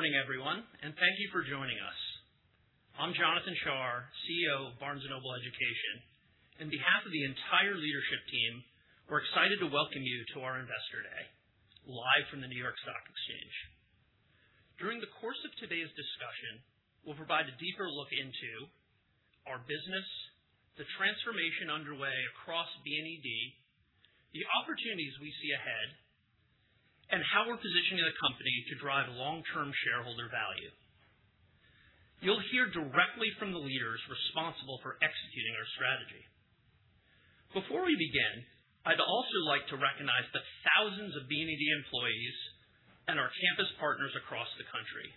Morning everyone, thank you for joining us. I'm Jonathan Shar, CEO of Barnes & Noble Education. On behalf of the entire leadership team, we're excited to welcome you to our Investor Day, live from the New York Stock Exchange. During the course of today's discussion, we'll provide a deeper look into our business, the transformation underway across BNED, the opportunities we see ahead, and how we're positioning the company to drive long-term shareholder value. You'll hear directly from the leaders responsible for executing our strategy. Before we begin, I'd also like to recognize the thousands of BNED employees and our campus partners across the country.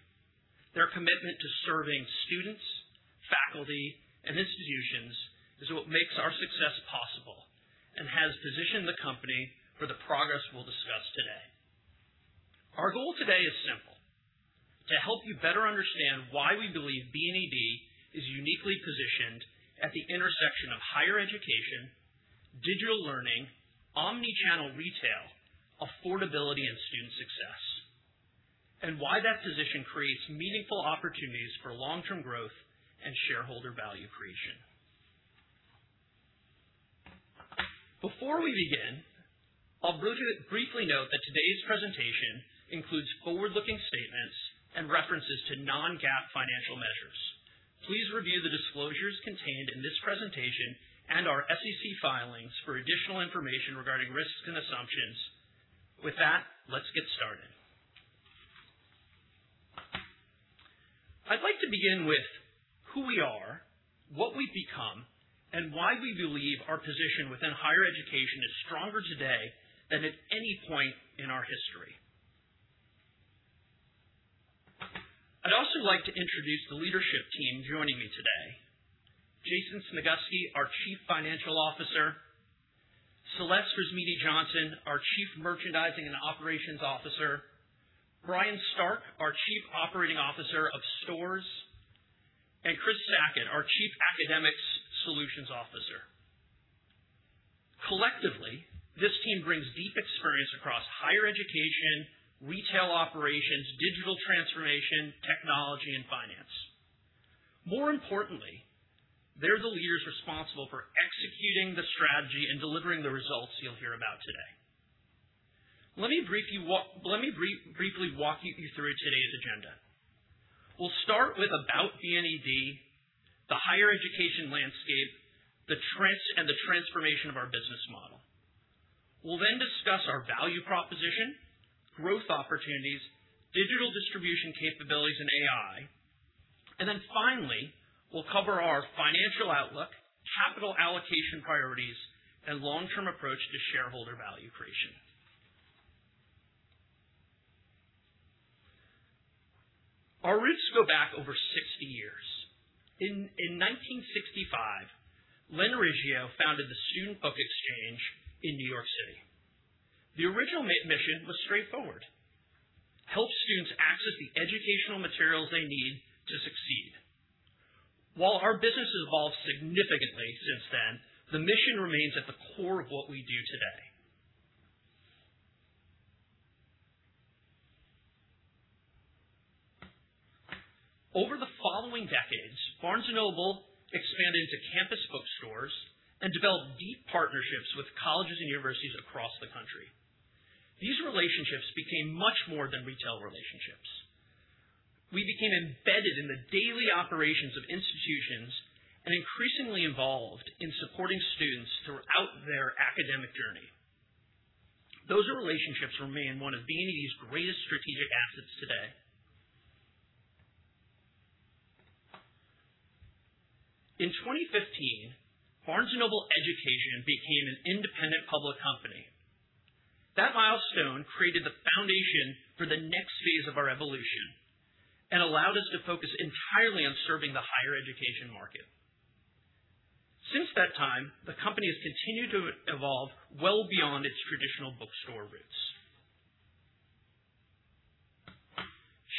Their commitment to serving students, faculty, and institutions is what makes our success possible and has positioned the company for the progress we'll discuss today. Our goal today is simple: to help you better understand why we believe BNED is uniquely positioned at the intersection of higher education, digital learning, omni-channel retail, affordability, and student success, why that position creates meaningful opportunities for long-term growth and shareholder value creation. Before we begin, I'll briefly note that today's presentation includes forward-looking statements and references to non-GAAP financial measures. Please review the disclosures contained in this presentation and our SEC filings for additional information regarding risks and assumptions. With that, let's get started. I'd like to begin with who we are, what we've become, and why we believe our position within higher education is stronger today than at any point in our history. I'd also like to introduce the leadership team joining me today. Jason Snagusky, our Chief Financial Officer, Celeste Risimini-Johnson, our Chief Merchandising and Operations Officer, Brian Stark, our Chief Operating Officer of Stores, Chris Sackett, our Chief Academic Solutions Officer. Collectively, this team brings deep experience across higher education, retail operations, digital transformation, technology, and finance. More importantly, they're the leaders responsible for executing the strategy and delivering the results you'll hear about today. Let me briefly walk you through today's agenda. We'll start with about BNED, the higher education landscape, and the transformation of our business model. We'll then discuss our value proposition, growth opportunities, digital distribution capabilities, and AI. Then finally, we'll cover our financial outlook, capital allocation priorities, and long-term approach to shareholder value creation. Our roots go back over 60 years. In 1965, Len Riggio founded the Student Book Exchange in New York City. The original mission was straightforward: help students access the educational materials they need to succeed. While our business has evolved significantly since then, the mission remains at the core of what we do today. Over the following decades, Barnes & Noble expanded into campus bookstores and developed deep partnerships with colleges and universities across the country. These relationships became much more than retail relationships. We became embedded in the daily operations of institutions and increasingly involved in supporting students throughout their academic journey. Those relationships remain one of BNED's greatest strategic assets today. In 2015, Barnes & Noble Education became an independent public company. That milestone created the foundation for the next phase of our evolution and allowed us to focus entirely on serving the higher education market. Since that time, the company has continued to evolve well beyond its traditional bookstore roots.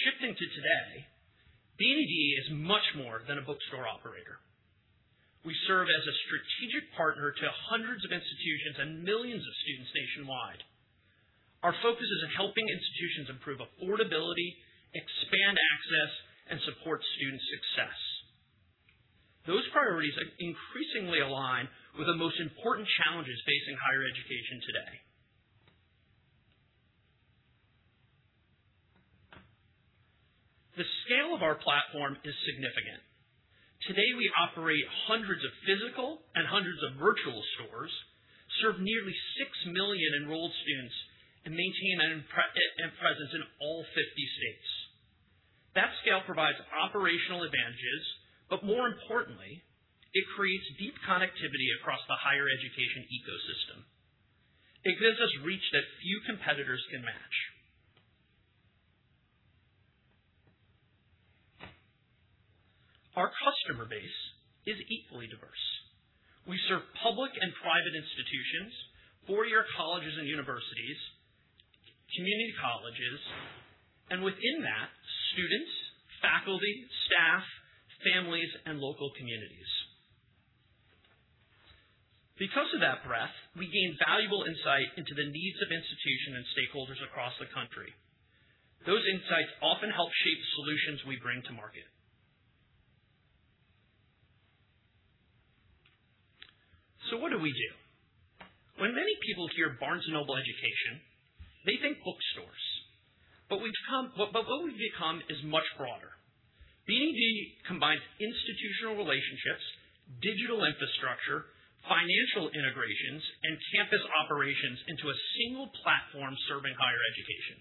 Shifting to today, BNED is much more than a bookstore operator. We serve as a strategic partner to hundreds of institutions and millions of students nationwide. Our focus is on helping institutions improve affordability, expand access, and support student success. Those priorities are increasingly aligned with the most important challenges facing higher education today. The scale of our platform is significant. Today, we operate hundreds of physical and hundreds of virtual stores, serve nearly 6 million enrolled students, and maintain a presence in all 50 states. That scale provides operational advantages, but more importantly, it creates deep connectivity across the higher education ecosystem. It gives us reach that few competitors can match. Our customer base is equally diverse. We serve public and private institutions, four-year colleges and universities, community colleges, and within that, students, faculty, staff, families, and local communities. Because of that breadth, we gain valuable insight into the needs of institutions and stakeholders across the country. Those insights often help shape the solutions we bring to market. What do we do? When many people hear Barnes & Noble Education, they think bookstores. What we've become is much broader. BNED combines institutional relationships, digital infrastructure, financial integrations, and campus operations into a single platform serving higher education.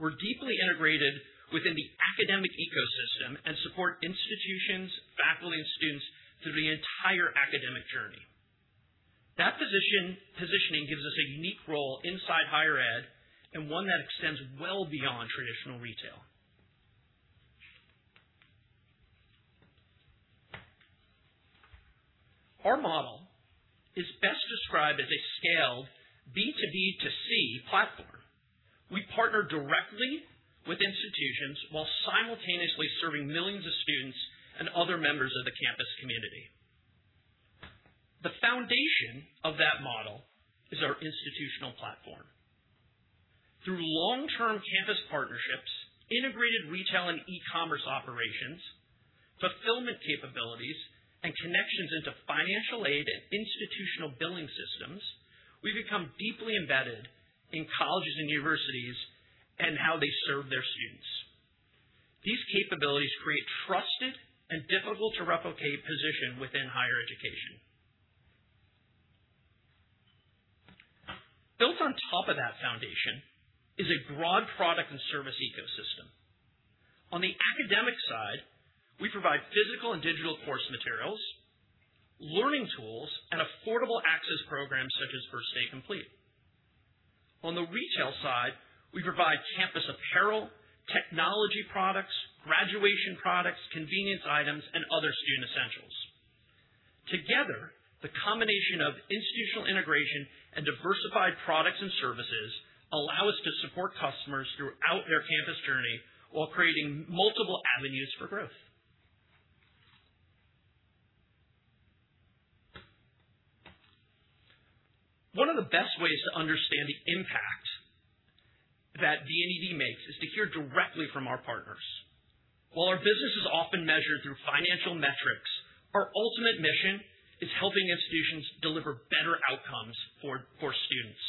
We're deeply integrated within the academic ecosystem and support institutions, faculty, and students through the entire academic journey. That positioning gives us a unique role inside higher ed, and one that extends well beyond traditional retail. Our model is best described as a scaled B2B2C platform. We partner directly with institutions while simultaneously serving millions of students and other members of the campus community. The foundation of that model is our institutional platform. Through long-term campus partnerships, integrated retail and e-commerce operations, fulfillment capabilities, and connections into financial aid and institutional billing systems, we've become deeply embedded in colleges and universities and how they serve their students. These capabilities create trusted and difficult-to-replicate position within higher education. Built on top of that foundation is a broad product and service ecosystem. On the academic side, we provide physical and digital course materials, learning tools, and affordable access programs such as First Day Complete. On the retail side, we provide campus apparel, technology products, graduation products, convenience items, and other student essentials. Together, the combination of institutional integration and diversified products and services allow us to support customers throughout their campus journey while creating multiple avenues for growth. One of the best ways to understand the impact that BNED makes is to hear directly from our partners. While our business is often measured through financial metrics, our ultimate mission is helping institutions deliver better outcomes for students.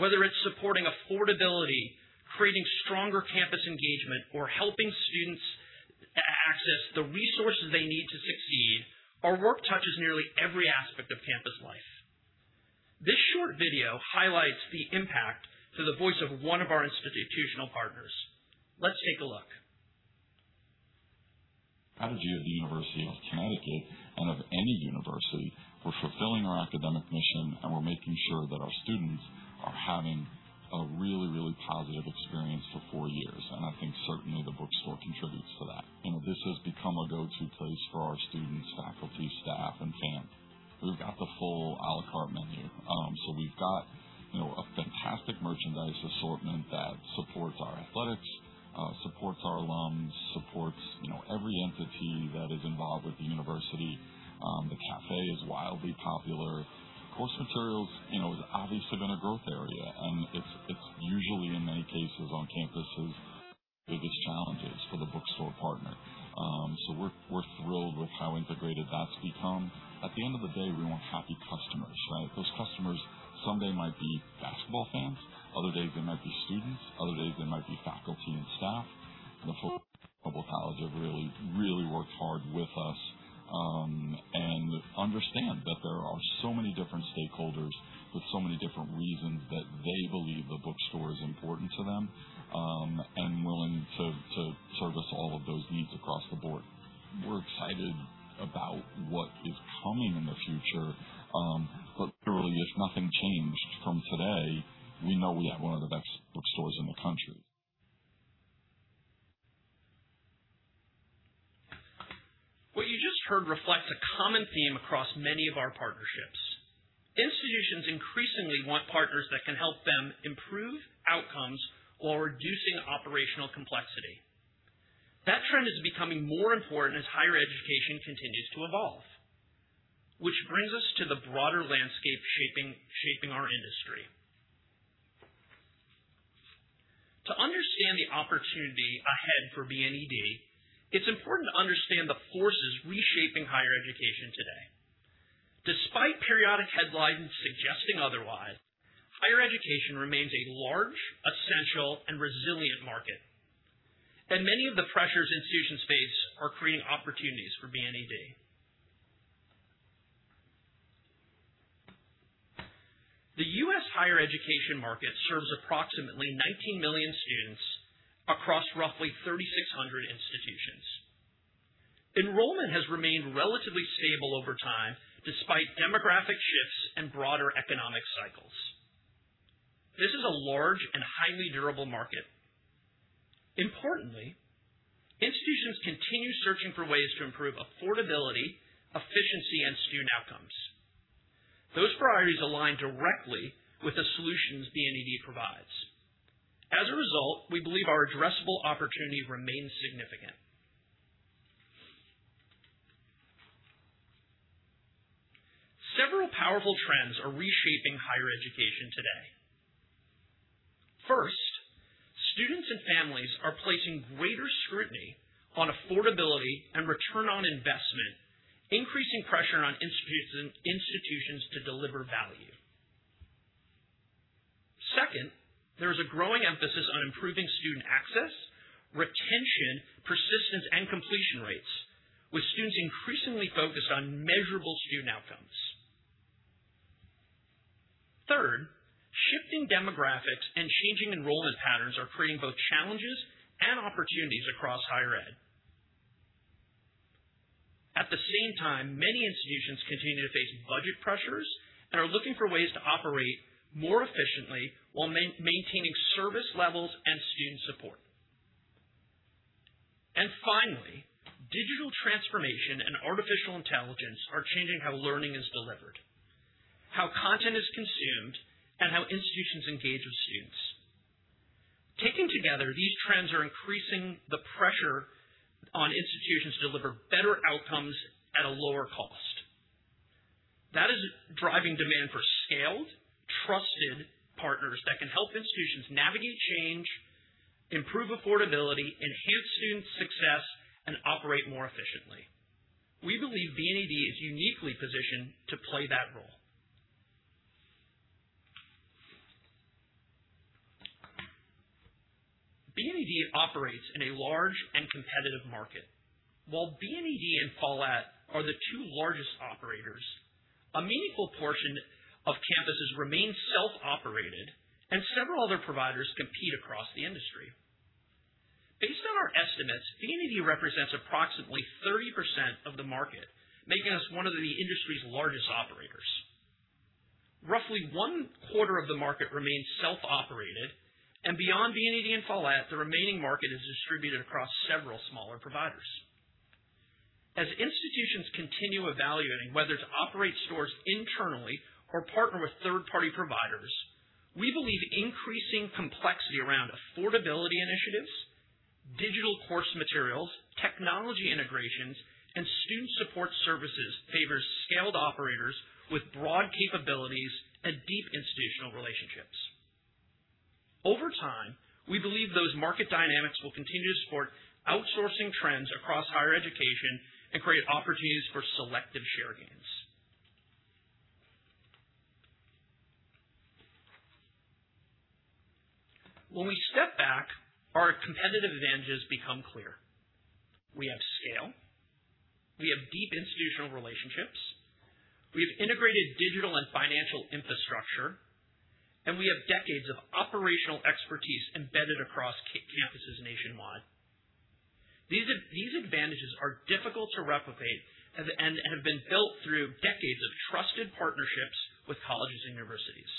Whether it's supporting affordability, creating stronger campus engagement, or helping students access the resources they need to succeed, our work touches nearly every aspect of campus life. This short video highlights the impact through the voice of one of our institutional partners. Let's take a look. Out of U of the University of Connecticut and of any university, we're fulfilling our academic mission, and we're making sure that our students are having a really, really positive experience for four years, and I think certainly the bookstore contributes to that. This has become a go-to place for our students, faculty, staff, and camp. We've got the full à la carte menu. We've got a fantastic merchandise assortment that supports our athletics, supports our alums, supports every entity that is involved with the university. The cafe is wildly popular. Course materials is obviously been a growth area, and it's usually, in many cases, on campuses, biggest challenges for the bookstore partner. We're thrilled with how integrated that's become. At the end of the day, we want happy customers, right? Those customers some days might be basketball fans, other days they might be students, other days they might be faculty and staff. The folks at Barnes & Noble College have really, really worked hard with us, and understand that there are so many different stakeholders with so many different reasons that they believe the bookstore is important to them, and willing to service all of those needs across the board. We're excited about what is coming in the future. Clearly, if nothing changed from today, we know we have one of the best bookstores in the country. What you just heard reflects a common theme across many of our partnerships. Institutions increasingly want partners that can help them improve outcomes while reducing operational complexity. That trend is becoming more important as higher education continues to evolve, which brings us to the broader landscape shaping our industry. To understand the opportunity ahead for BNED, it's important to understand the forces reshaping higher education today. Despite periodic headlines suggesting otherwise, higher education remains a large, essential, and resilient market, and many of the pressures institutions face are creating opportunities for BNED. The U.S. higher education market serves approximately 19 million students across roughly 3,600 institutions. Enrollment has remained relatively stable over time, despite demographic shifts and broader economic cycles. This is a large and highly durable market. Importantly, institutions continue searching for ways to improve affordability, efficiency, and student outcomes. Those priorities align directly with the solutions BNED provides. As a result, we believe our addressable opportunity remains significant. Several powerful trends are reshaping higher education today. First, students and families are placing greater scrutiny on affordability and return on investment, increasing pressure on institutions to deliver value. Second, there is a growing emphasis on improving student access, retention, persistence, and completion rates, with students increasingly focused on measurable student outcomes. Third, shifting demographics and changing enrollment patterns are creating both challenges and opportunities across higher ed. At the same time, many institutions continue to face budget pressures and are looking for ways to operate more efficiently while maintaining service levels and student support. Finally, digital transformation and artificial intelligence are changing how learning is delivered, how content is consumed, and how institutions engage with students. Taken together, these trends are increasing the pressure on institutions to deliver better outcomes at a lower cost. That is driving demand for scaled, trusted partners that can help institutions navigate change, improve affordability, enhance student success, and operate more efficiently. We believe BNED is uniquely positioned to play that role. BNED operates in a large and competitive market. While BNED and Follett are the two largest operators, a meaningful portion of campuses remain self-operated, and several other providers compete across the industry. Based on our estimates, BNED represents approximately 30% of the market, making us one of the industry's largest operators. Roughly one quarter of the market remains self-operated, and beyond BNED and Follett, the remaining market is distributed across several smaller providers. As institutions continue evaluating whether to operate stores internally or partner with third-party providers, we believe increasing complexity around affordability initiatives, digital course materials, technology integrations, and student support services favors scaled operators with broad capabilities and deep institutional relationships. Over time, we believe those market dynamics will continue to support outsourcing trends across higher education and create opportunities for selective share gains. When we step back, our competitive advantages become clear. We have scale, we have deep institutional relationships, we have integrated digital and financial infrastructure, and we have decades of operational expertise embedded across campuses nationwide. These advantages are difficult to replicate and have been built through decades of trusted partnerships with colleges and universities.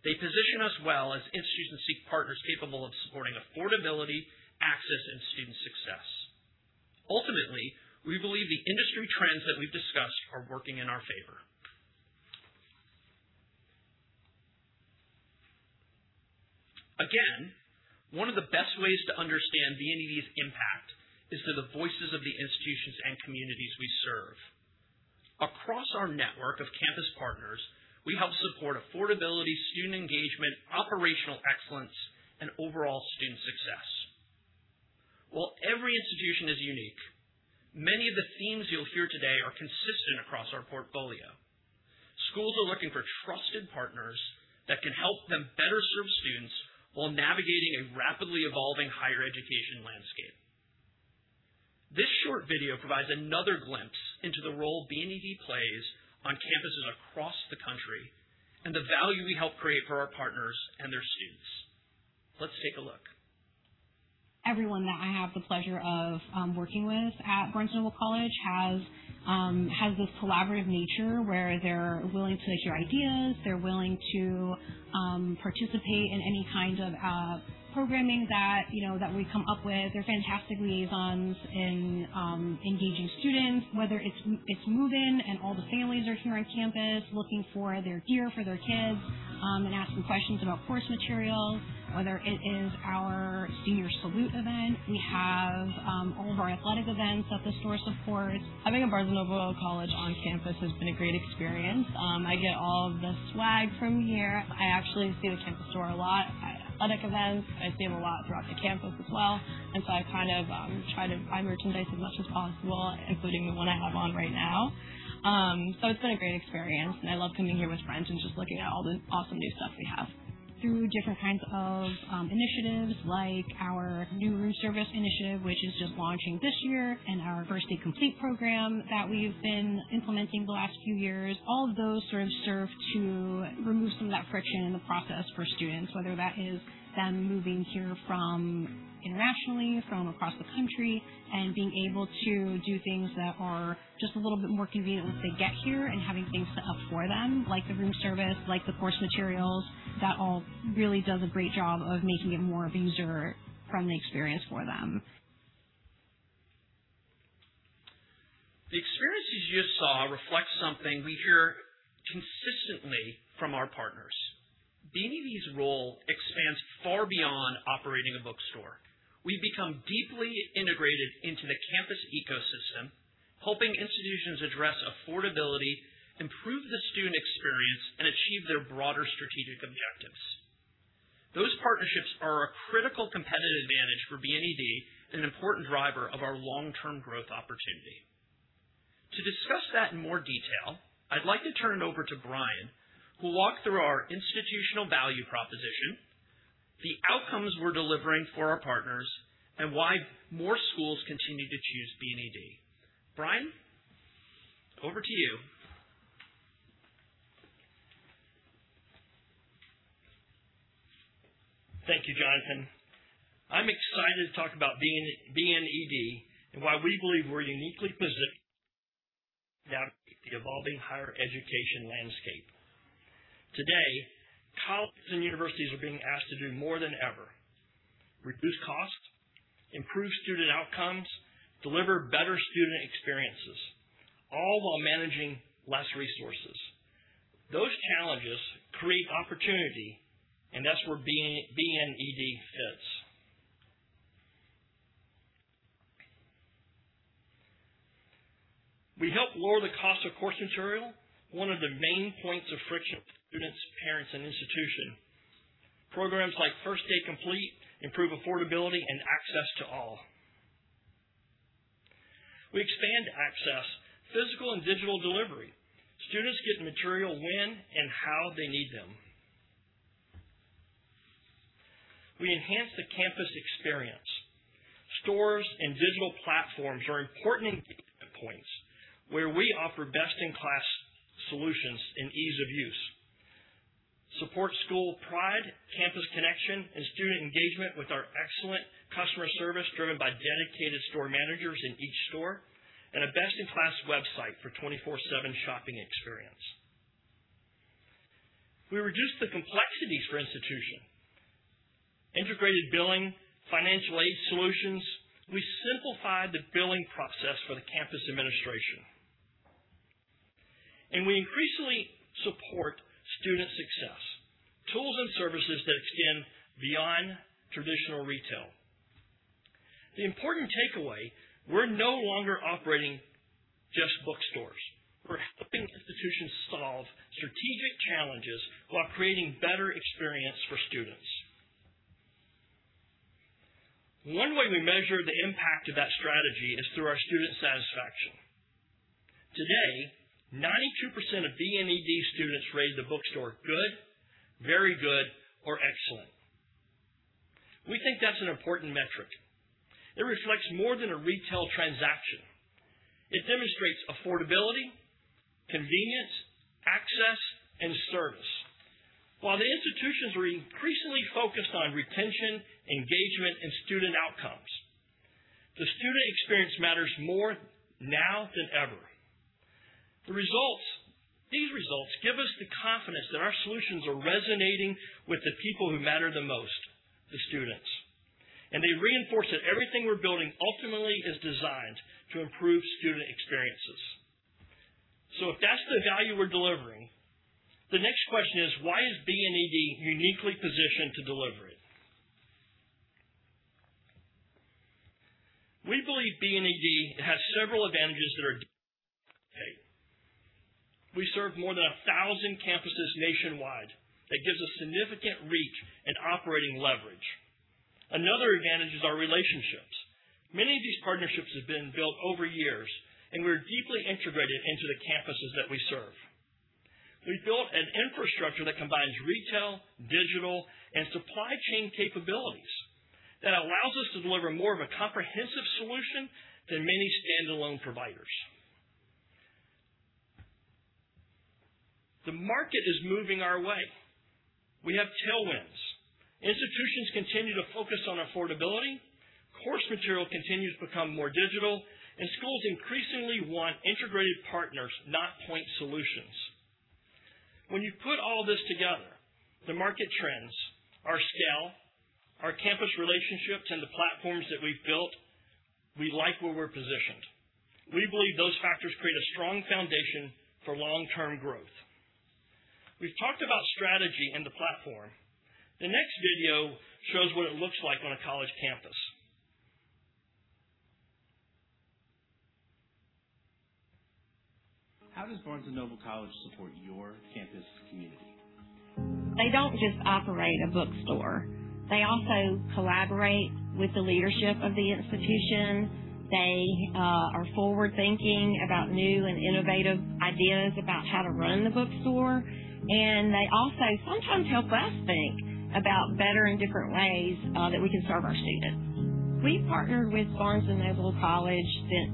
They position us well as institutions seek partners capable of supporting affordability, access, and student success. Ultimately, we believe the industry trends that we've discussed are working in our favor. Again, one of the best ways to understand BNED's impact is through the voices of the institutions and communities we serve. Across our network of campus partners, we help support affordability, student engagement, operational excellence, and overall student success. While every institution is unique, many of the themes you'll hear today are consistent across our portfolio. Schools are looking for trusted partners that can help them better serve students while navigating a rapidly evolving higher education landscape. This short video provides another glimpse into the role BNED plays on campuses across the country and the value we help create for our partners and their students. Let's take a look. Everyone that I have the pleasure of working with at Barnes & Noble College has this collaborative nature where they're willing to share ideas. They're willing to participate in any kind of programming that we come up with. They're fantastic liaisons in engaging students, whether it's move-in and all the families are here on campus looking for their gear for their kids, and asking questions about course materials. Whether it is our Senior Salute event. We have all of our athletic events that the store supports. Having a Barnes & Noble College on campus has been a great experience. I get all of the swag from here. I actually see the campus store a lot at athletic events. I see them a lot throughout the campus as well. I try to buy merchandise as much as possible, including the one I have on right now. It's been a great experience, and I love coming here with friends and just looking at all the awesome new stuff they have. Through different kinds of initiatives, like our new Room Service initiative, which is just launching this year, and our First Day Complete® program that we've been implementing the last few years. All of those serve to remove some of that friction in the process for students, whether that is them moving here from internationally, from across the country, and being able to do things that are just a little bit more convenient once they get here, and having things set up for them, like the Room Service, like the course materials. That all really does a great job of making it more of a user-friendly experience for them. something we hear consistently from our partners. BNED's role expands far beyond operating a bookstore. We've become deeply integrated into the campus ecosystem, helping institutions address affordability, improve the student experience, and achieve their broader strategic objectives. Those partnerships are a critical competitive advantage for BNED and an important driver of our long-term growth opportunity. To discuss that in more detail, I'd like to turn it over to Brian, who will walk through our institutional value proposition, the outcomes we're delivering for our partners, and why more schools continue to choose BNED. Brian, over to you. Thank you, Jonathan. I'm excited to talk about BNED and why we believe we're uniquely positioned the evolving higher education landscape. Today, colleges and universities are being asked to do more than ever. Reduce costs, improve student outcomes, deliver better student experiences, all while managing less resources. Those challenges create opportunity. That's where BNED fits. We help lower the cost of course material, one of the main points of friction for students, parents, and institution. Programs like First Day Complete® improve affordability and access to all. We expand access, physical and digital delivery. Students get material when and how they need them. We enhance the campus experience. Stores and digital platforms are important engagement points where we offer best-in-class solutions and ease of use. Support school pride, campus connection, and student engagement with our excellent customer service driven by dedicated store managers in each store and a best-in-class website for 24/7 shopping experience. We reduce the complexities for institution. Integrated billing, financial aid solutions. We simplify the billing process for the campus administration. We increasingly support student success. Tools and services that extend beyond traditional retail. The important takeaway, we're no longer operating just bookstores. We're helping institutions solve strategic challenges while creating better experience for students. One way we measure the impact of that strategy is through our student satisfaction. Today, 92% of BNED students rate the bookstore good, very good, or excellent. We think that's an important metric. It reflects more than a retail transaction. It demonstrates affordability, convenience, access, and service. While the institutions are increasingly focused on retention, engagement, and student outcomes, the student experience matters more now than ever. These results give us the confidence that our solutions are resonating with the people who matter the most, the students. They reinforce that everything we're building ultimately is designed to improve student experiences. If that's the value we're delivering, the next question is why is BNED uniquely positioned to deliver it? We believe BNED has several advantages. We serve more than 1,000 campuses nationwide. That gives us significant reach and operating leverage. Another advantage is our relationships. Many of these partnerships have been built over years, and we're deeply integrated into the campuses that we serve. We've built an infrastructure that combines retail, digital, and supply chain capabilities that allows us to deliver more of a comprehensive solution than many standalone providers. The market is moving our way. We have tailwinds. Institutions continue to focus on affordability, course material continues to become more digital, and schools increasingly want integrated partners, not point solutions. When you put all this together, the market trends, our scale, our campus relationships, and the platforms that we've built, we like where we're positioned. We believe those factors create a strong foundation for long-term growth. We've talked about strategy and the platform. The next video shows what it looks like on a college campus. How does Barnes & Noble College support your campus community? They don't just operate a bookstore. They also collaborate with the leadership of the institution. They are forward-thinking about new and innovative ideas about how to run the bookstore. They also sometimes help us think about better and different ways that we can serve our students. We've partnered with Barnes & Noble College since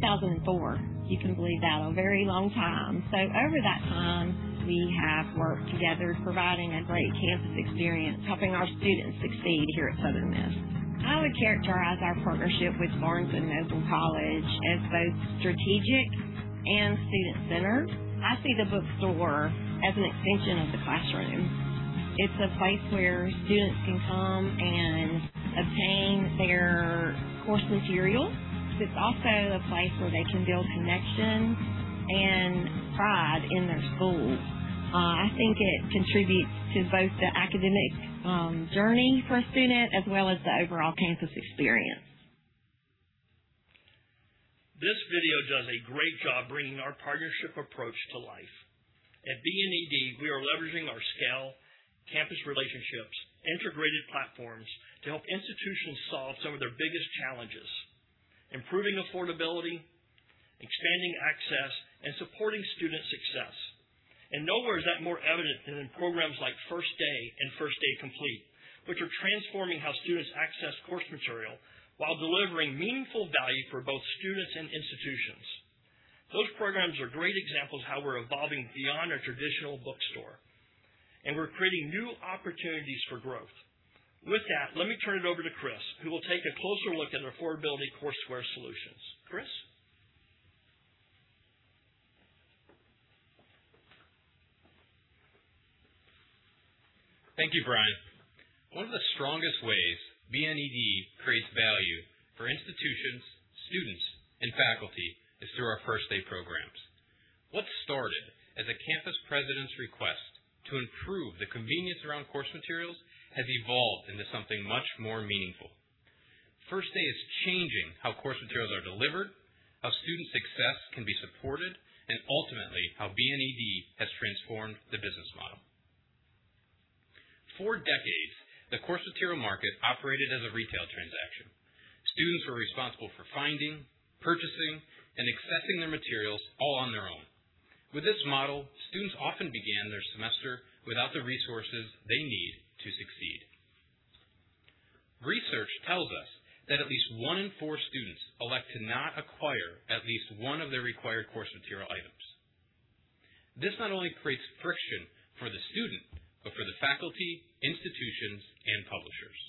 2004. If you can believe that, a very long time. Over that time, we have worked together providing a great campus experience, helping our students succeed here at Southern Miss. I would characterize our partnership with Barnes & Noble College as both strategic and student-centered. I see the bookstore as an extension of the classroom. It's a place where students can come and obtain their course material. It's also a place where they can build connection and pride in their schools. I think it contributes to both the academic journey for a student as well as the overall campus experience. This video does a great job bringing our partnership approach to life. At BNED, we are leveraging our scale, campus relationships, integrated platforms to help institutions solve some of their biggest challenges, improving affordability, expanding access, and supporting student success. Nowhere is that more evident than in programs like First Day® and First Day® Complete®, which are transforming how students access course material while delivering meaningful value for both students and institutions. Those programs are great examples of how we're evolving beyond our traditional bookstore, and we're creating new opportunities for growth. With that, let me turn it over to Chris, who will take a closer look at affordability courseware solutions. Chris? Thank you, Brian. One of the strongest ways BNED creates value for institutions, students, and faculty is through our First Day® programs. What started as a campus president's request to improve the convenience around course materials has evolved into something much more meaningful. First Day® is changing how course materials are delivered, how student success can be supported, and ultimately, how BNED has transformed the business model. For decades, the course material market operated as a retail transaction. Students were responsible for finding, purchasing, and accessing their materials all on their own. With this model, students often began their semester without the resources they need to succeed. Research tells us that at least one in four students elect to not acquire at least one of their required course material items. This not only creates friction for the student, but for the faculty, institutions, and publishers.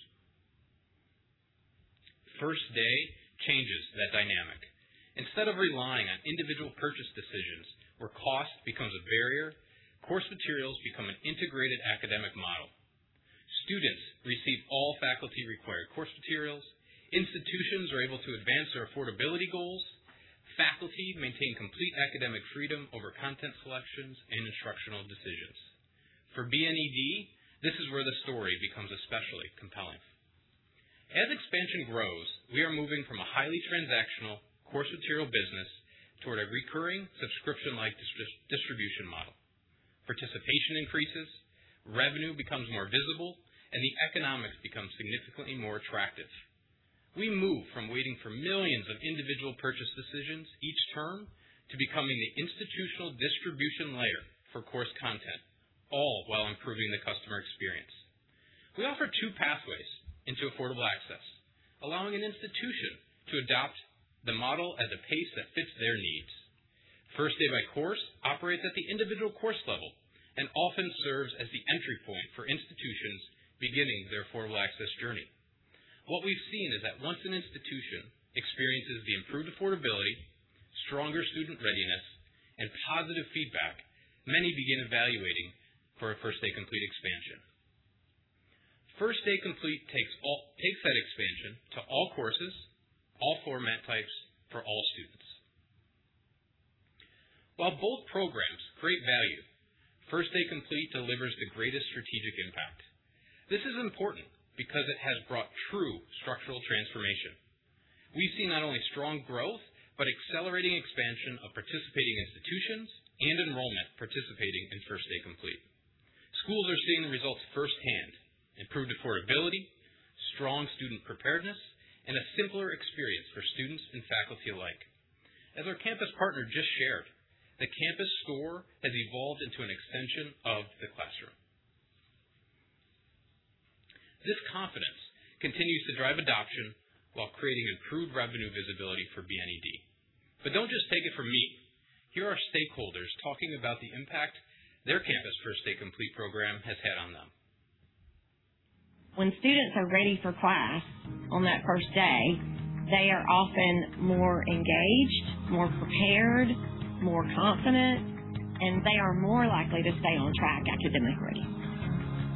First Day® changes that dynamic. Instead of relying on individual purchase decisions where cost becomes a barrier, course materials become an integrated academic model. Students receive all faculty-required course materials, institutions are able to advance their affordability goals, faculty maintain complete academic freedom over content selections and instructional decisions. For BNED, this is where the story becomes especially compelling. As expansion grows, we are moving from a highly transactional course material business toward a recurring subscription-like distribution model. Participation increases, revenue becomes more visible, and the economics become significantly more attractive. We move from waiting for millions of individual purchase decisions each term to becoming the institutional distribution layer for course content, all while improving the customer experience. We offer two pathways into affordable access, allowing an institution to adopt the model at a pace that fits their needs. First Day by Course operates at the individual course level and often serves as the entry point for institutions beginning their affordable access journey. What we've seen is that once an institution experiences the improved affordability, stronger student readiness, and positive feedback, many begin evaluating for a First Day Complete® expansion. First Day Complete® takes that expansion to all courses, all format types, for all students. While both programs create value, First Day Complete® delivers the greatest strategic impact. This is important because it has brought true structural transformation. We've seen not only strong growth, but accelerating expansion of participating institutions and enrollment participating in First Day Complete®. Schools are seeing the results firsthand, improved affordability, strong student preparedness, and a simpler experience for students and faculty alike. As our campus partner just shared, the campus store has evolved into an extension of the classroom. This confidence continues to drive adoption while creating improved revenue visibility for BNED. Don't just take it from me. Here are stakeholders talking about the impact their campus First Day Complete® program has had on them. When students are ready for class on that first day, they are often more engaged, more prepared, more confident, and they are more likely to stay on track academically.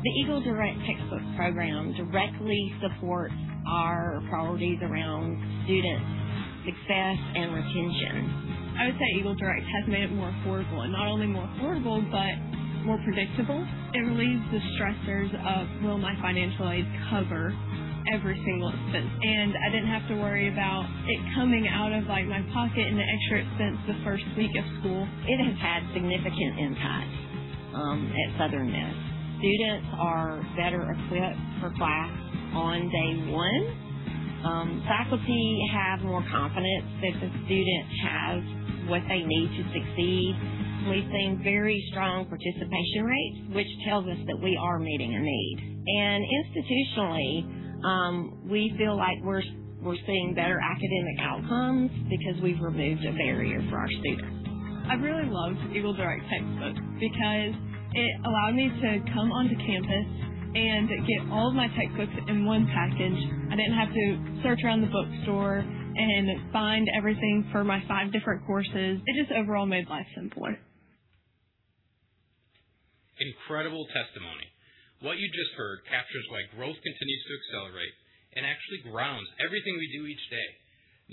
The Eagle Direct Textbooks program directly supports our priorities around student success and retention. I would say Eagle Direct has made it more affordable, not only more affordable, but more predictable. It relieves the stressors of will my financial aid cover every single expense? I didn't have to worry about it coming out of my pocket and the extra expense the first week of school. It has had significant impact, at Southern Miss. Students are better equipped for class on day one. Faculty have more confidence that the student has what they need to succeed. We've seen very strong participation rates, which tells us that we are meeting a need. Institutionally, we feel like we're seeing better academic outcomes because we've removed a barrier for our students. I really loved Eagle Direct Textbooks because it allowed me to come onto campus Get all of my textbooks in one package. I didn't have to search around the bookstore and find everything for my five different courses. It just overall made life simpler. Incredible testimony. What you just heard captures why growth continues to accelerate and actually grounds everything we do each day,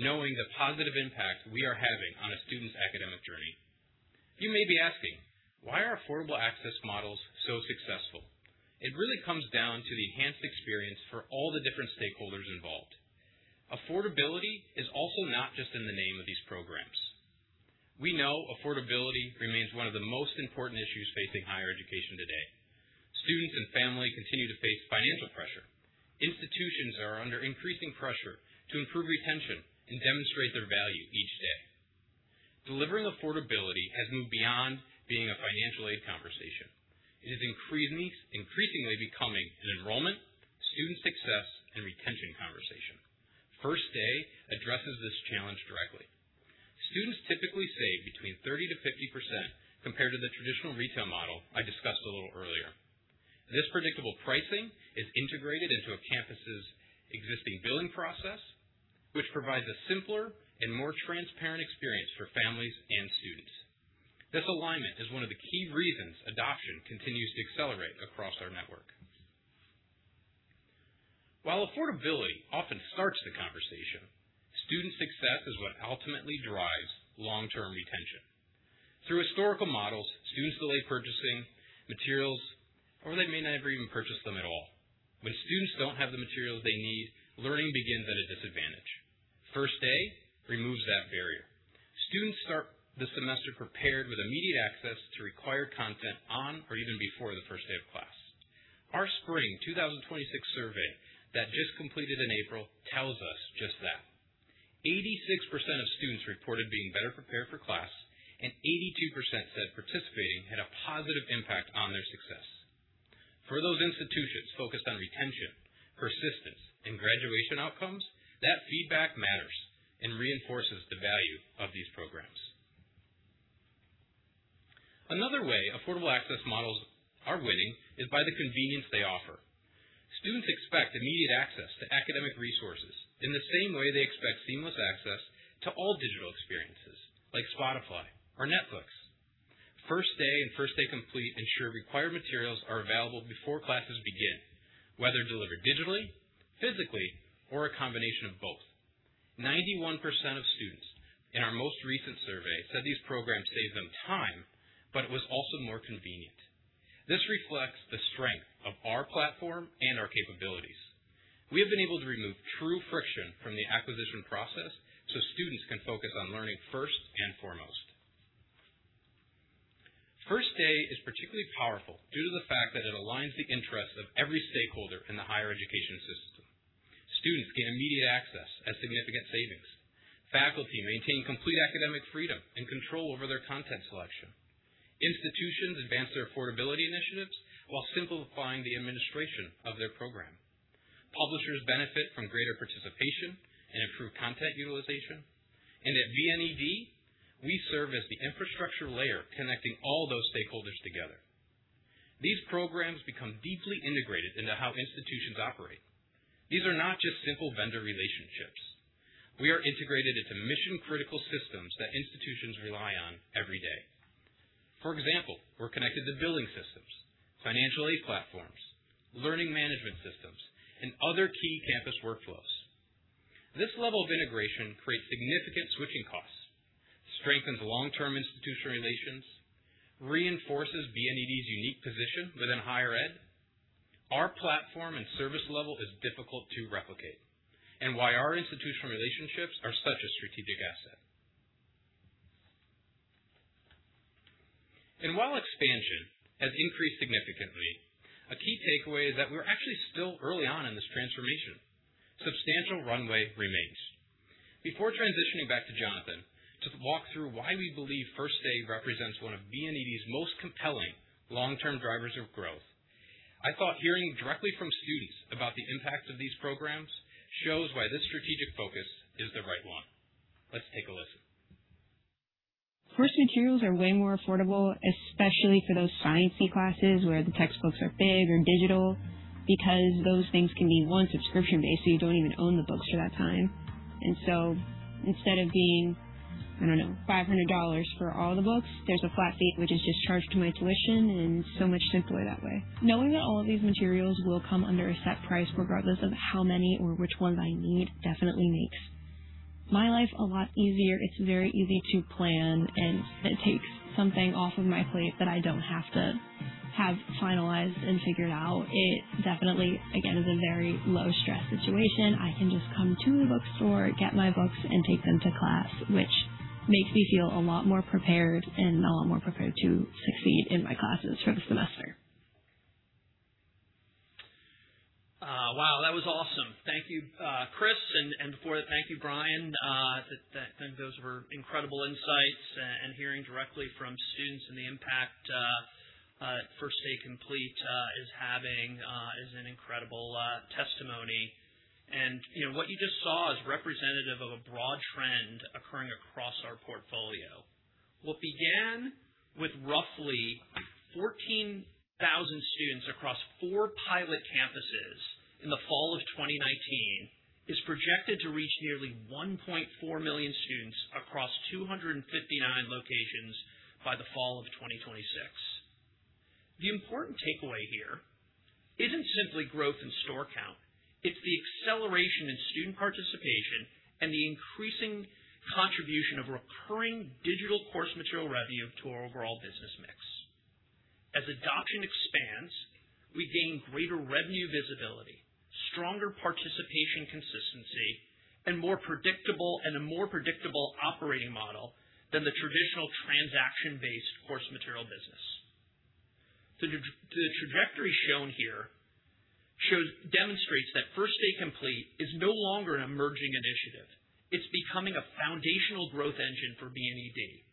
knowing the positive impact we are having on a student's academic journey. You may be asking, why are affordable access models so successful? It really comes down to the enhanced experience for all the different stakeholders involved. Affordability is also not just in the name of these programs. We know affordability remains one of the most important issues facing higher education today. Students and family continue to face financial pressure. Institutions are under increasing pressure to improve retention and demonstrate their value each day. Delivering affordability has moved beyond being a financial aid conversation. It is increasingly becoming an enrollment, student success, and retention conversation. First Day® addresses this challenge directly. Students typically save between 30%-50% compared to the traditional retail model I discussed a little earlier. This predictable pricing is integrated into a campus's existing billing process, which provides a simpler and more transparent experience for families and students. This alignment is one of the key reasons adoption continues to accelerate across our network. While affordability often starts the conversation, student success is what ultimately drives long-term retention. Through historical models, students delay purchasing materials, or they may not even purchase them at all. When students don't have the materials they need, learning begins at a disadvantage. First Day® removes that barrier. Students start the semester prepared with immediate access to required content on or even before the first day of class. Our Spring 2026 survey that just completed in April tells us just that. 86% of students reported being better prepared for class, and 82% said participating had a positive impact on their success. For those institutions focused on retention, persistence, and graduation outcomes, that feedback matters and reinforces the value of these programs. Another way affordable access models are winning is by the convenience they offer. Students expect immediate access to academic resources in the same way they expect seamless access to all digital experiences, like Spotify or Netflix. First Day® and First Day Complete® ensure required materials are available before classes begin, whether delivered digitally, physically, or a combination of both. 91% of students in our most recent survey said these programs save them time, but it was also more convenient. This reflects the strength of our platform and our capabilities. We have been able to remove true friction from the acquisition process so students can focus on learning first and foremost. First Day® is particularly powerful due to the fact that it aligns the interests of every stakeholder in the higher education system. Students get immediate access at significant savings. Faculty maintain complete academic freedom and control over their content selection. Institutions advance their affordability initiatives while simplifying the administration of their program. Publishers benefit from greater participation and improved content utilization. At BNED, we serve as the infrastructure layer connecting all those stakeholders together. These programs become deeply integrated into how institutions operate. These are not just simple vendor relationships. We are integrated into mission-critical systems that institutions rely on every day. For example, we're connected to billing systems, financial aid platforms, learning management systems, and other key campus workflows. This level of integration creates significant switching costs, strengthens long-term institutional relations, reinforces BNED's unique position within higher ed. Our platform and service level is difficult to replicate, why our institutional relationships are such a strategic asset. While expansion has increased significantly, a key takeaway is that we're actually still early on in this transformation. Substantial runway remains. Before transitioning back to Jonathan to walk through why we believe First Day® represents one of BNED's most compelling long-term drivers of growth, I thought hearing directly from students about the impact of these programs shows why this strategic focus is the right one. Let's take a listen. Course materials are way more affordable, especially for those science-y classes where the textbooks are big or digital, because those things can be, one, subscription-based, so you don't even own the books for that time. Instead of being, I don't know, $500 for all the books, there's a flat fee, which is just charged to my tuition, and so much simpler that way. Knowing that all of these materials will come under a set price, regardless of how many or which ones I need, definitely makes my life a lot easier. It's very easy to plan, and it takes something off of my plate that I don't have to have finalized and figured out. It definitely, again, is a very low-stress situation. I can just come to a bookstore, get my books, and take them to class, which makes me feel a lot more prepared and a lot more prepared to succeed in my classes for the semester. Wow, that was awesome. Thank you, Chris, and before that, thank you, Brian. I think those were incredible insights, and hearing directly from students and the impact First Day® Complete® is having is an incredible testimony. What you just saw. What began with roughly 14,000 students across four pilot campuses in the fall of 2019 is projected to reach nearly 1.4 million students across 259 locations by the fall of 2026. The important takeaway here isn't simply growth in store count. It's the acceleration in student participation and the increasing contribution of recurring digital course material revenue to our overall business mix. As adoption expands, we gain greater revenue visibility, stronger participation consistency, and a more predictable operating model than the traditional transaction-based course material business. The trajectory shown here demonstrates that First Day® Complete® is no longer an emerging initiative. It's becoming a foundational growth engine for BNED.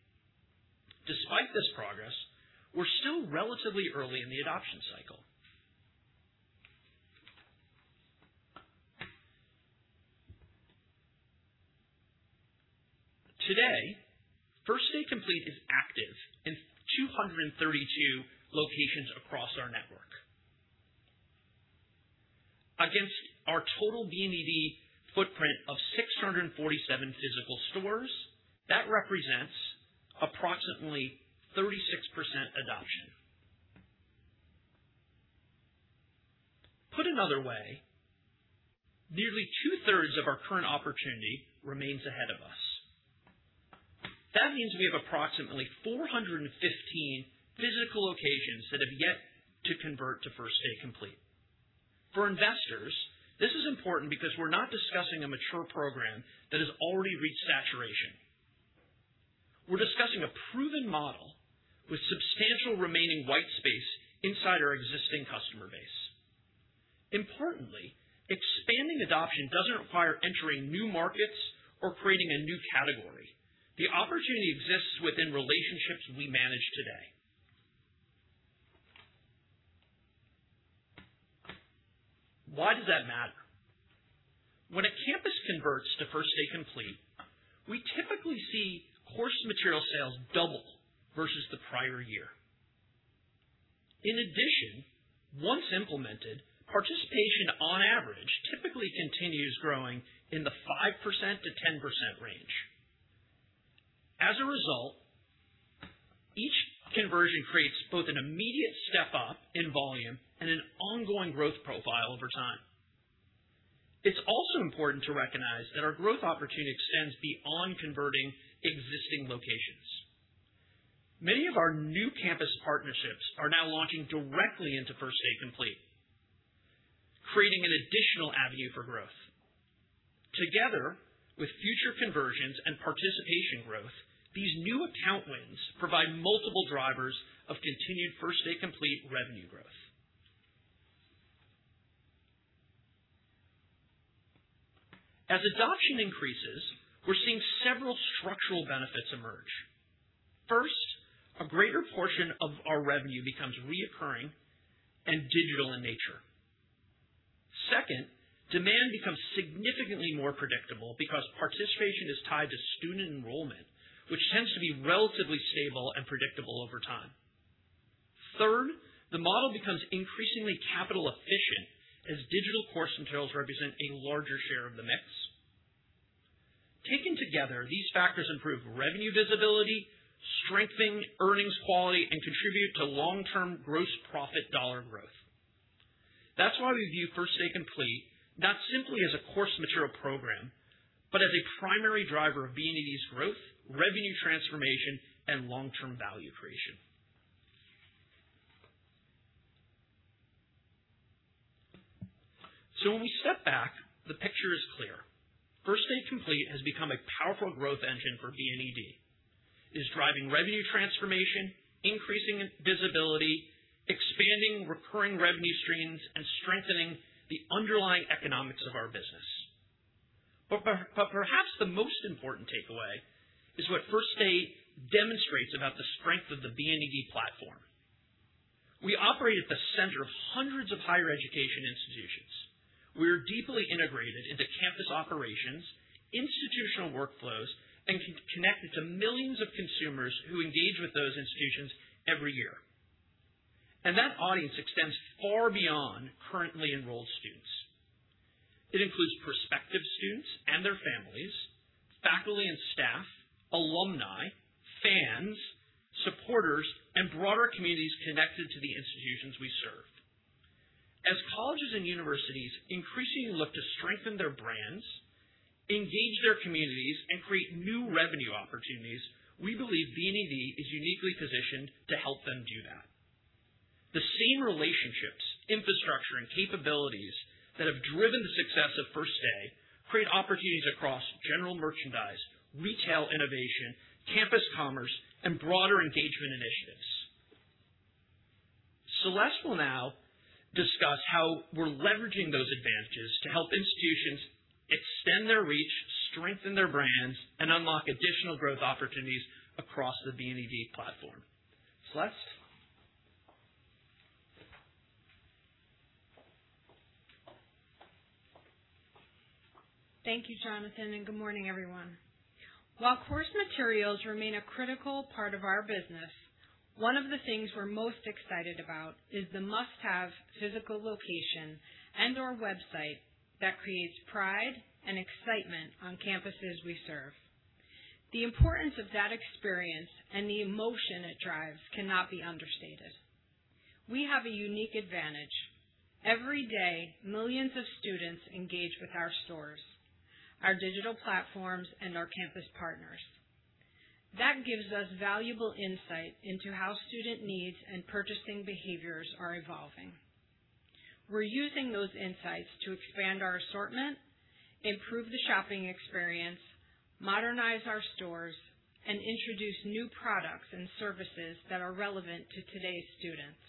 Despite this progress, we're still relatively early in the adoption cycle. Today, First Day® Complete® is active in 232 locations across our network. Against our total BNED footprint of 647 physical stores, that represents approximately 36% adoption. Put another way, nearly two-thirds of our current opportunity remains ahead of us. That means we have approximately 415 physical locations that have yet to convert to First Day® Complete®. For investors, this is important because we're not discussing a mature program that has already reached saturation. We're discussing a proven model with substantial remaining white space inside our existing customer base. Importantly, expanding adoption doesn't require entering new markets or creating a new category. The opportunity exists within relationships we manage today. Why does that matter? When a campus converts to First Day® Complete®, we typically see course material sales double versus the prior year. In addition, once implemented, participation on average typically continues growing in the 5%-10% range. As a result, each conversion creates both an immediate step-up in volume and an ongoing growth profile over time. It's also important to recognize that our growth opportunity extends beyond converting existing locations. Many of our new campus partnerships are now launching directly into First Day® Complete®, creating an additional avenue for growth. Together, with future conversions and participation growth, these new account wins provide multiple drivers of continued First Day® Complete® revenue growth. As adoption increases, we're seeing several structural benefits emerge. First, a greater portion of our revenue becomes reoccurring and digital in nature. Second, demand becomes significantly more predictable because participation is tied to student enrollment, which tends to be relatively stable and predictable over time. Third, the model becomes increasingly capital efficient as digital course materials represent a larger share of the mix. Taken together, these factors improve revenue visibility, strengthen earnings quality, and contribute to long-term gross profit dollar growth. That's why we view First Day® Complete® not simply as a course material program, but as a primary driver of BNED's growth, revenue transformation, and long-term value creation. When we step back, the picture is clear. First Day® Complete® has become a powerful growth engine for BNED. It is driving revenue transformation, increasing visibility, expanding recurring revenue streams, and strengthening the underlying economics of our business. Perhaps the most important takeaway is what First Day® demonstrates about the strength of the BNED platform. We operate at the center of hundreds of higher education institutions. We are deeply integrated into campus operations, institutional workflows, and connected to millions of consumers who engage with those institutions every year. That audience extends far beyond currently enrolled students. It includes prospective students and their families, faculty and staff, alumni, fans, supporters, and broader communities connected to the institutions we serve. As colleges and universities increasingly look to strengthen their brands, engage their communities, and create new revenue opportunities, we believe BNED is uniquely positioned to help them do that. The same relationships, infrastructure, and capabilities that have driven the success of First Day® create opportunities across general merchandise, retail innovation, campus commerce, and broader engagement initiatives. Celeste will now discuss how we're leveraging those advantages to help institutions extend their reach, strengthen their brands, and unlock additional growth opportunities across the BNED platform. Celeste? Thank you, Jonathan, good morning, everyone. While course materials remain a critical part of our business, one of the things we're most excited about is the must-have physical location and/or website that creates pride and excitement on campuses we serve. The importance of that experience and the emotion it drives cannot be understated. We have a unique advantage. Every day, millions of students engage with our stores, our digital platforms, and our campus partners. That gives us valuable insight into how student needs and purchasing behaviors are evolving. We're using those insights to expand our assortment, improve the shopping experience, modernize our stores, and introduce new products and services that are relevant to today's students.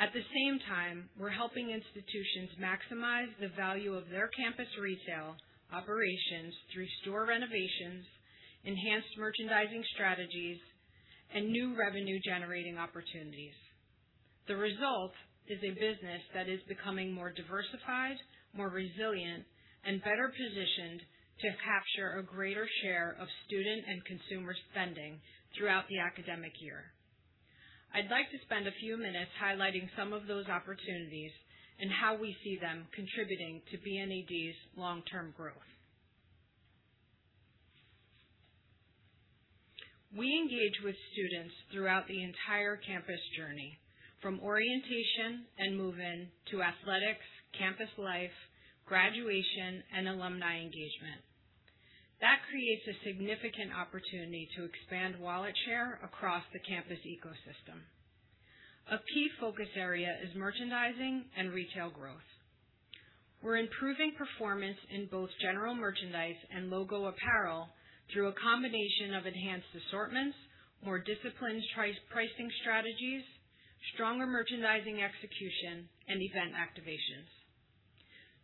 At the same time, we're helping institutions maximize the value of their campus retail operations through store renovations, enhanced merchandising strategies, and new revenue-generating opportunities. The result is a business that is becoming more diversified, more resilient, and better positioned to capture a greater share of student and consumer spending throughout the academic year. I'd like to spend a few minutes highlighting some of those opportunities and how we see them contributing to BNED's long-term growth. We engage with students throughout the entire campus journey, from orientation and move-in to athletics, campus life, graduation, and alumni engagement. That creates a significant opportunity to expand wallet share across the campus ecosystem. A key focus area is merchandising and retail growth. We're improving performance in both general merchandise and logo apparel through a combination of enhanced assortments, more disciplined pricing strategies, stronger merchandising execution, and event activations.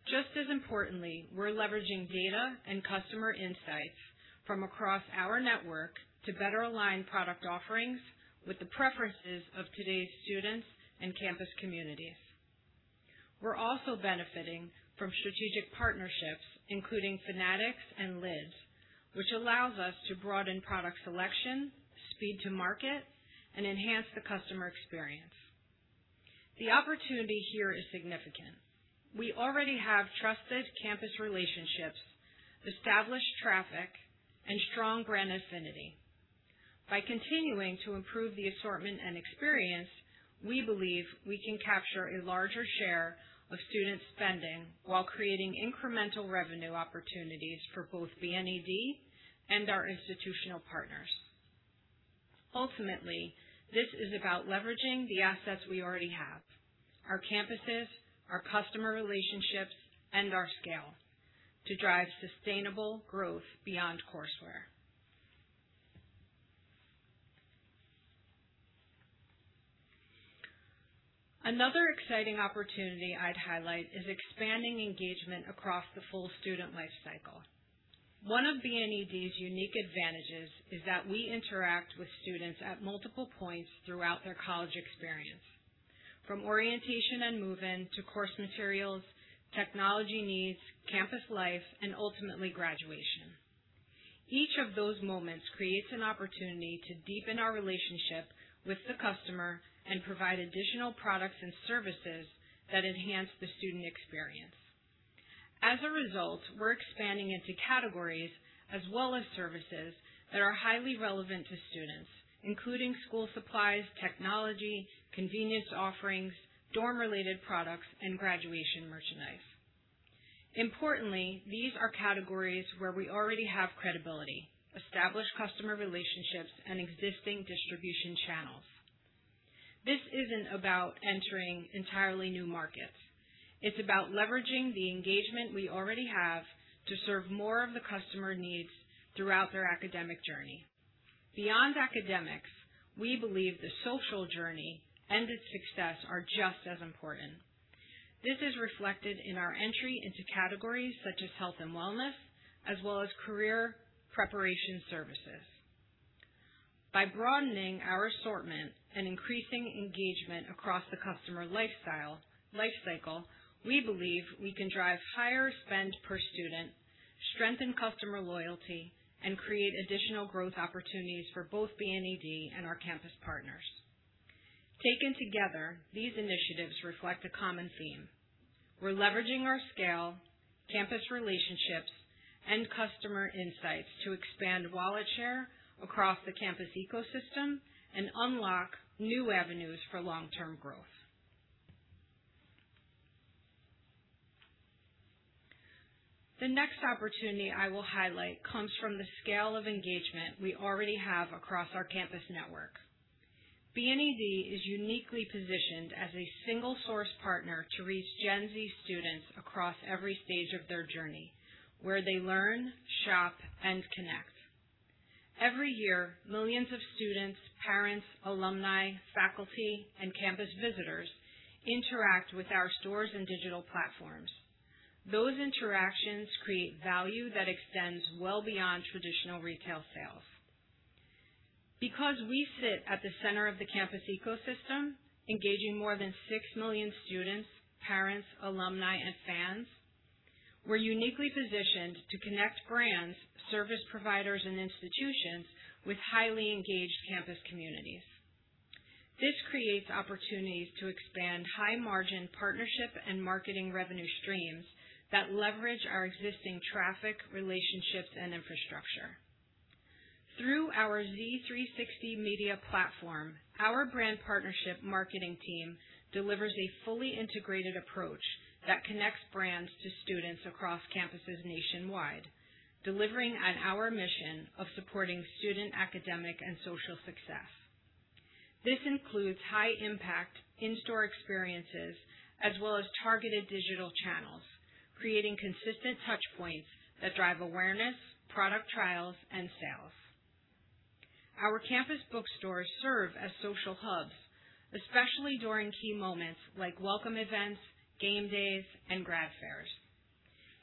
Just as importantly, we're leveraging data and customer insights from across our network to better align product offerings with the preferences of today's students and campus communities. We're also benefiting from strategic partnerships, including Fanatics and Lids, which allows us to broaden product selection, speed to market, and enhance the customer experience. The opportunity here is significant. We already have trusted campus relationships, established traffic, and strong brand affinity. By continuing to improve the assortment and experience, we believe we can capture a larger share of student spending while creating incremental revenue opportunities for both BNED and our institutional partners. Ultimately, this is about leveraging the assets we already have, our campuses, our customer relationships, and our scale to drive sustainable growth beyond courseware. Another exciting opportunity I'd highlight is expanding engagement across the full student life cycle. One of BNED's unique advantages is that we interact with students at multiple points throughout their college experience, from orientation and move-in to course materials, technology needs, campus life, and ultimately graduation. Each of those moments creates an opportunity to deepen our relationship with the customer and provide additional products and services that enhance the student experience. As a result, we're expanding into categories as well as services that are highly relevant to students, including school supplies, technology, convenience offerings, dorm-related products, and graduation merchandise. Importantly, these are categories where we already have credibility, established customer relationships, and existing distribution channels. This isn't about entering entirely new markets. It's about leveraging the engagement we already have to serve more of the customer needs throughout their academic journey. Beyond academics, we believe the social journey and its success are just as important. This is reflected in our entry into categories such as health and wellness, as well as career preparation services. By broadening our assortment and increasing engagement across the customer life cycle, we believe we can drive higher spend per student, strengthen customer loyalty, and create additional growth opportunities for both BNED and our campus partners. Taken together, these initiatives reflect a common theme. We're leveraging our scale, campus relationships, and customer insights to expand wallet share across the campus ecosystem and unlock new avenues for long-term growth. The next opportunity I will highlight comes from the scale of engagement we already have across our campus network. BNED is uniquely positioned as a single-source partner to reach Gen Z students across every stage of their journey, where they learn, shop, and connect. Every year, millions of students, parents, alumni, faculty, and campus visitors interact with our stores and digital platforms. Those interactions create value that extends well beyond traditional retail sales. Because we sit at the center of the campus ecosystem, engaging more than six million students, parents, alumni, and fans, we're uniquely positioned to connect brands, service providers, and institutions with highly engaged campus communities. This creates opportunities to expand high-margin partnership and marketing revenue streams that leverage our existing traffic, relationships, and infrastructure. Through our Z 360 Media platform, our brand partnership marketing team delivers a fully integrated approach that connects brands to students across campuses nationwide, delivering on our mission of supporting student academic and social success. This includes high-impact in-store experiences as well as targeted digital channels, creating consistent touchpoints that drive awareness, product trials, and sales. Our campus bookstores serve as social hubs, especially during key moments like welcome events, game days, and grad fairs.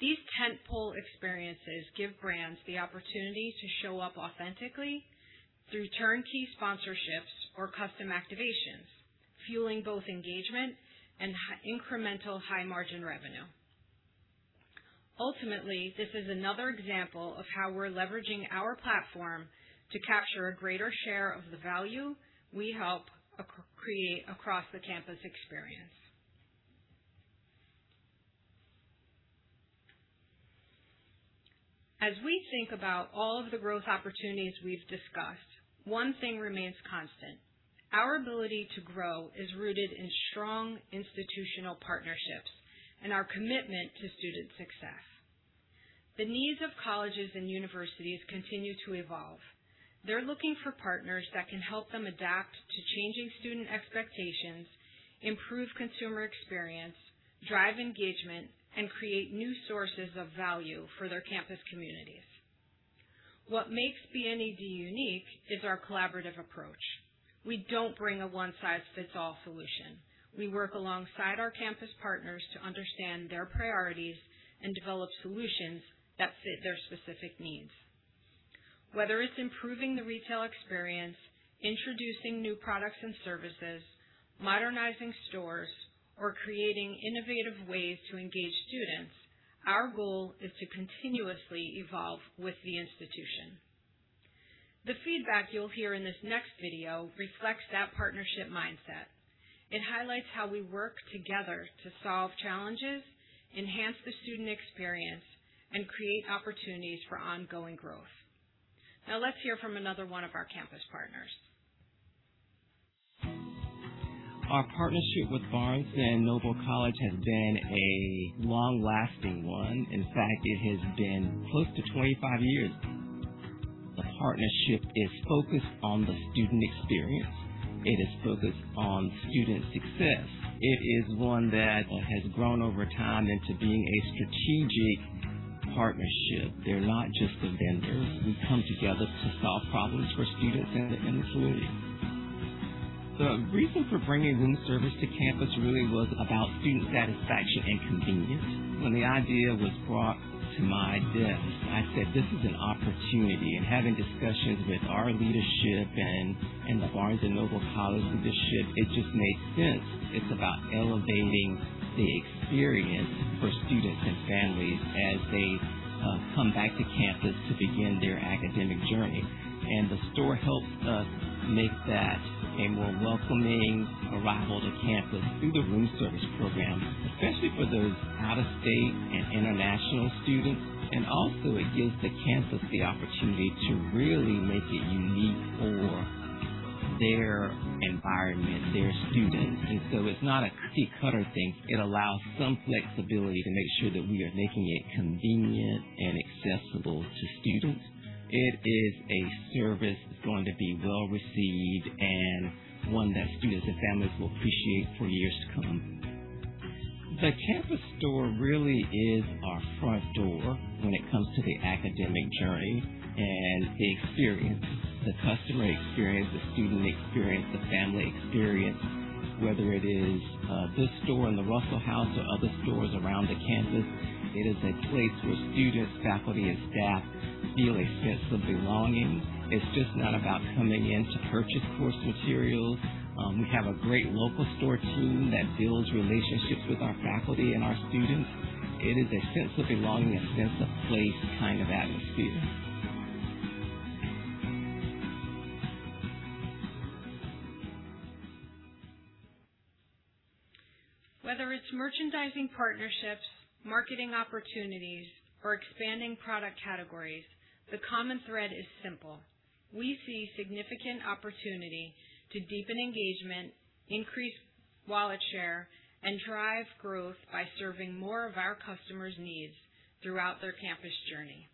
These tentpole experiences give brands the opportunity to show up authentically through turnkey sponsorships or custom activations, fueling both engagement and incremental high-margin revenue. Ultimately, this is another example of how we're leveraging our platform to capture a greater share of the value we help create across the campus experience. As we think about all of the growth opportunities we've discussed, one thing remains constant. Our ability to grow is rooted in strong institutional partnerships and our commitment to student success. The needs of colleges and universities continue to evolve. They're looking for partners that can help them adapt to changing student expectations, improve consumer experience, drive engagement, and create new sources of value for their campus communities. What makes BNED unique is our collaborative approach. We don't bring a one-size-fits-all solution. We work alongside our campus partners to understand their priorities and develop solutions that fit their specific needs. Whether it's improving the retail experience, introducing new products and services, modernizing stores, or creating innovative ways to engage students, our goal is to continuously evolve with the institution. The feedback you'll hear in this next video reflects that partnership mindset. It highlights how we work together to solve challenges, enhance the student experience, and create opportunities for ongoing growth. Now let's hear from another one of our campus partners. Our partnership with Barnes & Noble College has been a long-lasting one. In fact, it has been close to 25 years. The partnership is focused on the student experience. It is focused on student success. It is one that has grown over time into being a strategic partnership. They're not just a vendor. We come together to solve problems for students and the community. The reason for bringing Room Service to campus really was about student satisfaction and convenience. When the idea was brought to my desk, I said, "This is an opportunity." Having discussions with our leadership and the Barnes & Noble College leadership, it just made sense. It's about elevating the experience for students and families as they come back to campus to begin their academic journey. The store helps us make that a more welcoming arrival to campus through the Room Service program, especially for those out-of-state and international students. Also, it gives the campus the opportunity to really make it unique for their environment, their students. It's not a cookie-cutter thing. It allows some flexibility to make sure that we are making it convenient and accessible to students. It is a service that's going to be well-received and one that students and families will appreciate for years to come. The campus store really is our front door when it comes to the academic journey and the experience, the customer experience, the student experience, the family experience. Whether it is this store in the Russell House or other stores around the campus, it is a place where students, faculty, and staff feel a sense of belonging. It's just not about coming in to purchase course materials. We have a great local store team that builds relationships with our faculty and our students. It is a sense of belonging, a sense of place kind of atmosphere. Whether it's merchandising partnerships, marketing opportunities, or expanding product categories, the common thread is simple. We see significant opportunity to deepen engagement, increase wallet share, and drive growth by serving more of our customers' needs throughout their campus journey.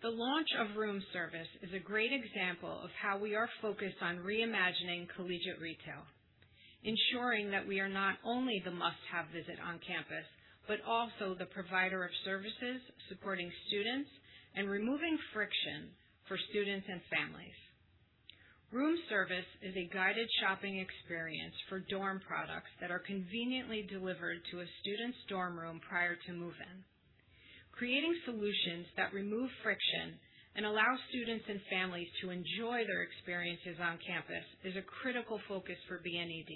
The launch of Room Service is a great example of how we are focused on reimagining collegiate retail, ensuring that we are not only the must-have visit on campus, but also the provider of services supporting students and removing friction for students and families. Room Service is a guided shopping experience for dorm products that are conveniently delivered to a student's dorm room prior to move-in. Creating solutions that remove friction and allow students and families to enjoy their experiences on campus is a critical focus for BNED.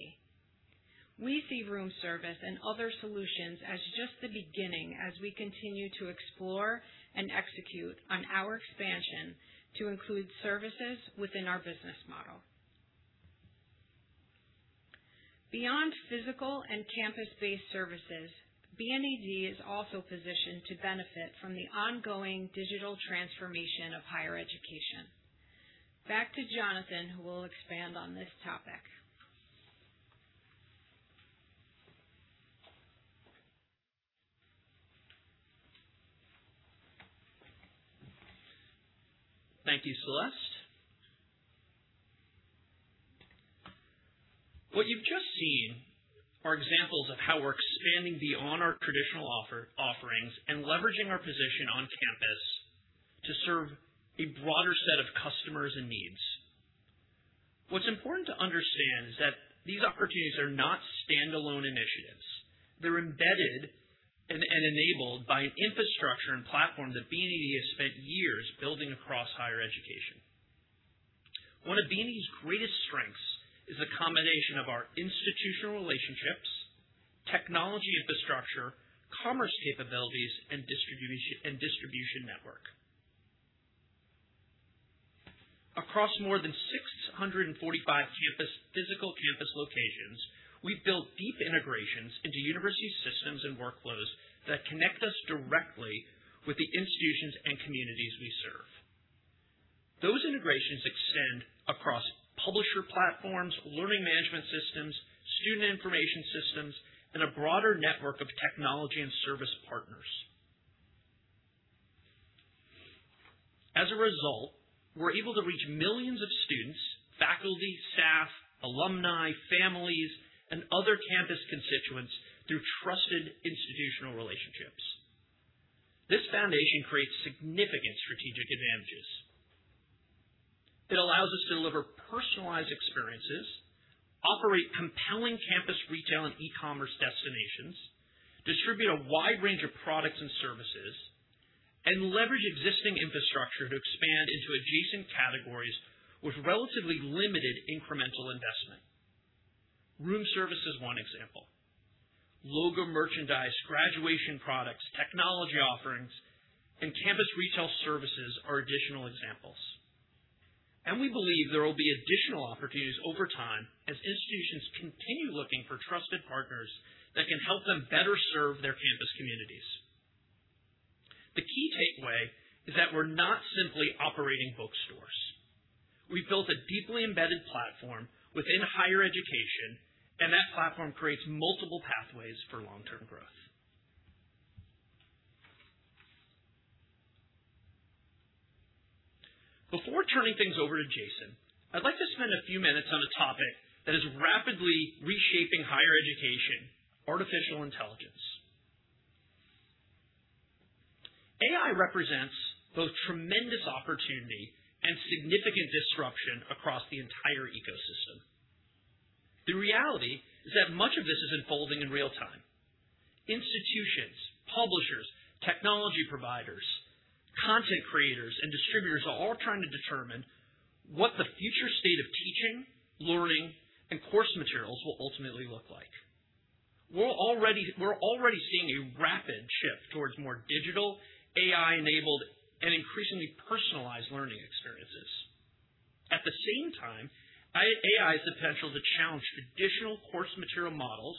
We see Room Service and other solutions as just the beginning as we continue to explore and execute on our expansion to include services within our business model. Beyond physical and campus-based services, BNED is also positioned to benefit from the ongoing digital transformation of higher education. Back to Jonathan, who will expand on this topic. Thank you, Celeste. What you've just seen are examples of how we're expanding beyond our traditional offerings and leveraging our position on campus to serve a broader set of customers and needs. What's important to understand is that these opportunities are not standalone initiatives. They're embedded and enabled by an infrastructure and platform that BNED has spent years building across higher education. One of BNED's greatest strengths is a combination of our institutional relationships, technology infrastructure, commerce capabilities, and distribution network. Across more than 645 physical campus locations, we've built deep integrations into university systems and workflows that connect us directly with the institutions and communities we serve. Those integrations extend across publisher platforms, learning management systems, student information systems, and a broader network of technology and service partners. As a result, we're able to reach millions of students, faculty, staff, alumni, families, and other campus constituents through trusted institutional relationships. This foundation creates significant strategic advantages. It allows us to deliver personalized experiences, operate compelling campus retail and e-commerce destinations, distribute a wide range of products and services, and leverage existing infrastructure to expand into adjacent categories with relatively limited incremental investment. Room Service is one example. Logo merchandise, graduation products, technology offerings, and campus retail services are additional examples. We believe there will be additional opportunities over time as institutions continue looking for trusted partners that can help them better serve their campus communities. The key takeaway is that we're not simply operating bookstores. We've built a deeply embedded platform within higher education, and that platform creates multiple pathways for long-term growth. Before turning things over to Jason, I'd like to spend a few minutes on a topic that is rapidly reshaping higher education: artificial intelligence. AI represents both tremendous opportunity and significant disruption across the entire ecosystem. The reality is that much of this is unfolding in real time. Institutions, publishers, technology providers, content creators, and distributors are all trying to determine what the future state of teaching, learning, and course materials will ultimately look like. We're already seeing a rapid shift towards more digital, AI-enabled, and increasingly personalized learning experiences. At the same time, AI has the potential to challenge traditional course material models,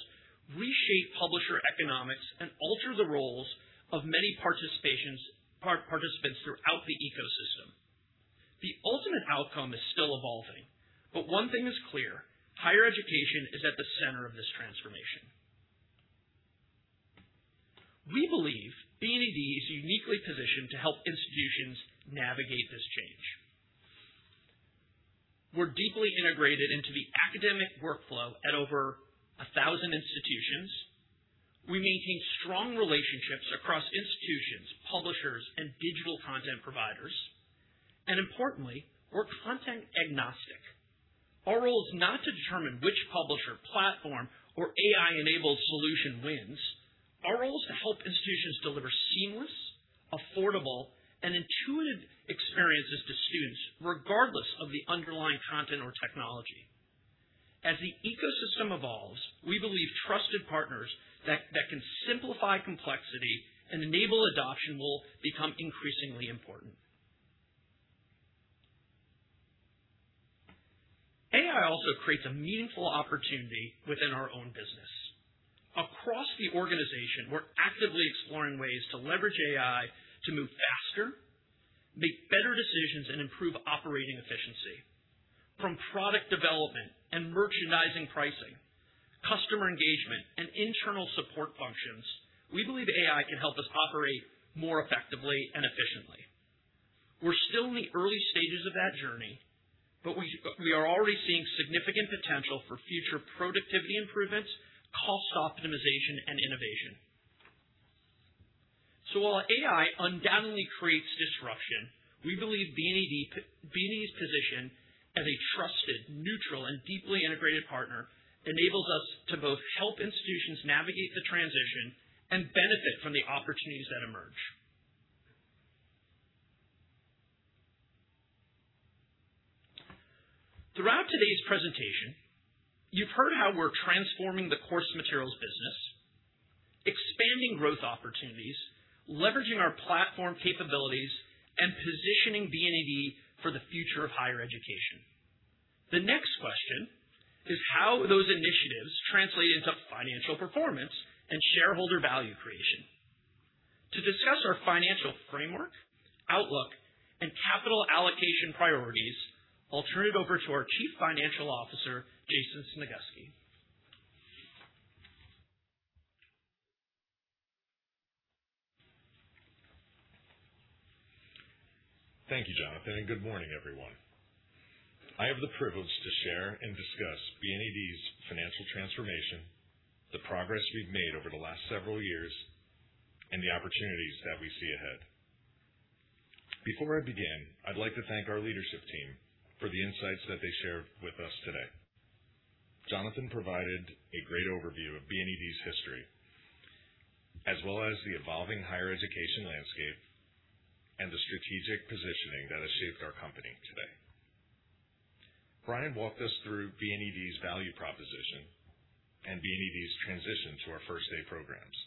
reshape publisher economics, and alter the roles of many participants throughout the ecosystem. The ultimate outcome is still evolving, but one thing is clear: higher education is at the center of this transformation. We believe BNED is uniquely positioned to help institutions navigate this change. We're deeply integrated into the academic workflow at over 1,000 institutions. We maintain strong relationships across institutions, publishers, and digital content providers. Importantly, we're content agnostic. Our role is not to determine which publisher, platform, or AI-enabled solution wins. Our role is to help institutions deliver seamless, affordable, and intuitive experiences to students, regardless of the underlying content or technology. As the ecosystem evolves, we believe trusted partners that can simplify complexity and enable adoption will become increasingly important. AI also creates a meaningful opportunity within our own business. Across the organization, we're actively exploring ways to leverage AI to move faster, make better decisions, and improve operating efficiency. From product development and merchandising pricing, customer engagement, and internal support functions, we believe AI can help us operate more effectively and efficiently. We're still in the early stages of that journey, but we are already seeing significant potential for future productivity improvements, cost optimization, and innovation. While AI undoubtedly creates disruption, we believe BNED's position as a trusted, neutral, and deeply integrated partner enables us to both help institutions navigate the transition and benefit from the opportunities that emerge. Throughout today's presentation, you've heard how we're transforming the course materials business, expanding growth opportunities, leveraging our platform capabilities, and positioning BNED for the future of higher education. The next question is how those initiatives translate into financial performance and shareholder value creation. To discuss our financial framework, outlook, and capital allocation priorities, I'll turn it over to our Chief Financial Officer, Jason Snagusky. Thank you, Jonathan, and good morning, everyone. I have the privilege to share and discuss BNED's financial transformation, the progress we've made over the last several years, and the opportunities that we see ahead. Before I begin, I'd like to thank our leadership team for the insights that they shared with us today. Jonathan provided a great overview of BNED's history, as well as the evolving higher education landscape and the strategic positioning that has shaped our company today. Brian walked us through BNED's value proposition and BNED's transition to our First Day® programs.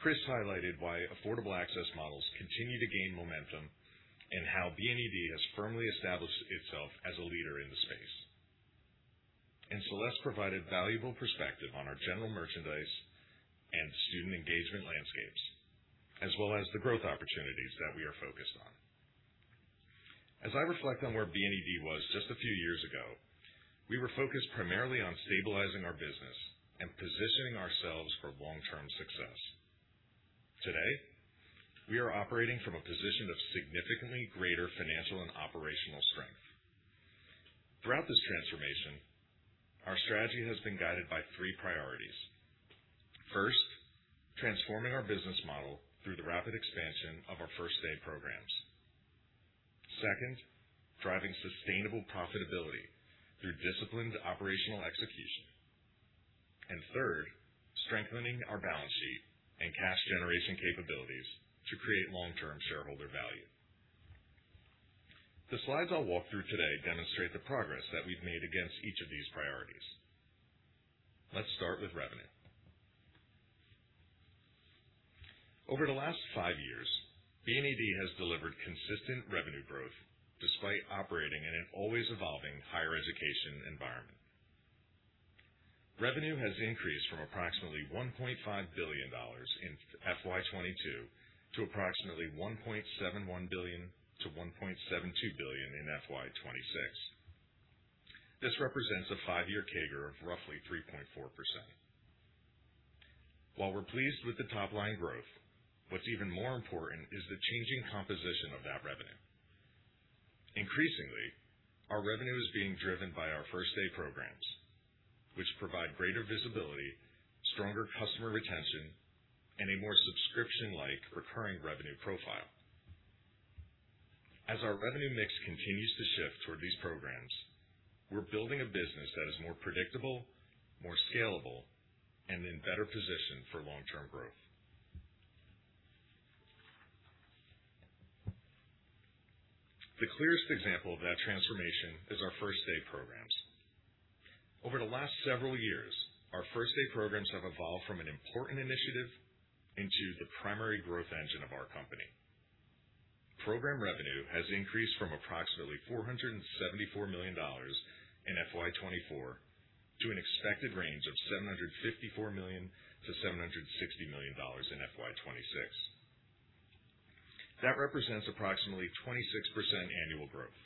Chris highlighted why affordable access models continue to gain momentum and how BNED has firmly established itself as a leader in the space. Celeste provided valuable perspective on our general merchandise and student engagement landscapes, as well as the growth opportunities that we are focused on. As I reflect on where BNED was just a few years ago, we were focused primarily on stabilizing our business and positioning ourselves for long-term success. Today, we are operating from a position of significantly greater financial and operational strength. Throughout this transformation, our strategy has been guided by three priorities. First, transforming our business model through the rapid expansion of our First Day® programs. Second, driving sustainable profitability through disciplined operational execution. Third, strengthening our balance sheet and cash generation capabilities to create long-term shareholder value. The slides I'll walk through today demonstrate the progress that we've made against each of these priorities. Let's start with revenue. Over the last five years, BNED has delivered consistent revenue growth despite operating in an always evolving higher education environment. Revenue has increased from approximately $1.5 billion in FY 2022 to approximately $1.71 billion-$1.72 billion in FY 2026. This represents a five-year CAGR of roughly 3.4%. While we're pleased with the top-line growth, what's even more important is the changing composition of that revenue. Increasingly, our revenue is being driven by our First Day® programs, which provide greater visibility, stronger customer retention, and a more subscription-like recurring revenue profile. As our revenue mix continues to shift toward these programs, we're building a business that is more predictable, more scalable, and in better position for long-term growth. The clearest example of that transformation is our First Day® programs. Over the last several years, our First Day® programs have evolved from an important initiative into the primary growth engine of our company. Program revenue has increased from approximately $474 million in FY 2024 to an expected range of $754 million-$760 million in FY 2026. That represents approximately 26% annual growth.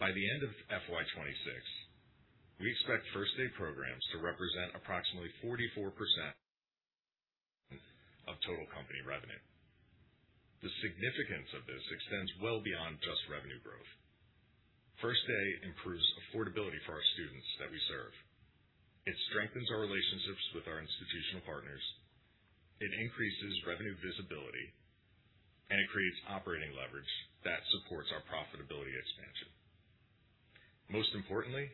By the end of FY 2026, we expect First Day® programs to represent approximately 44% of total company revenue. The significance of this extends well beyond just revenue growth. First Day® improves affordability for our students that we serve. It strengthens our relationships with our institutional partners. It creates operating leverage that supports our profitability expansion. Most importantly,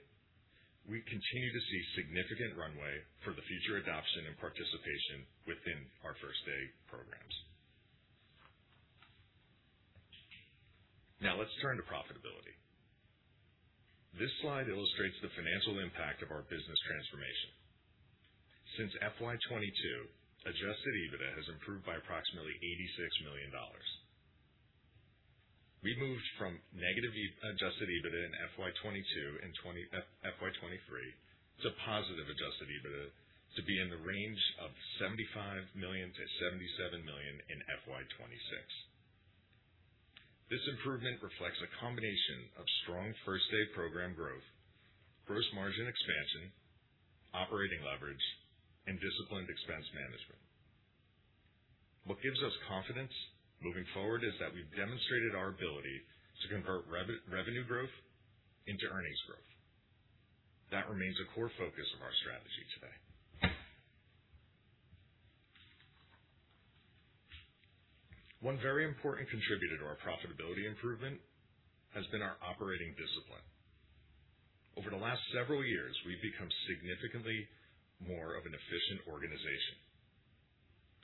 we continue to see significant runway for the future adoption and participation within our First Day® programs. Now let's turn to profitability. This slide illustrates the financial impact of our business transformation. Since FY 2022, adjusted EBITDA has improved by approximately $86 million. We moved from negative adjusted EBITDA in FY 2022 and FY 2023 to positive adjusted EBITDA to be in the range of $75 million-$77 million in FY 2026. This improvement reflects a combination of strong First Day® program growth, gross margin expansion, operating leverage, and disciplined expense management. What gives us confidence moving forward is that we've demonstrated our ability to convert revenue growth into earnings growth. That remains a core focus of our strategy today. One very important contributor to our profitability improvement has been our operating discipline. Over the last several years, we've become significantly more of an efficient organization.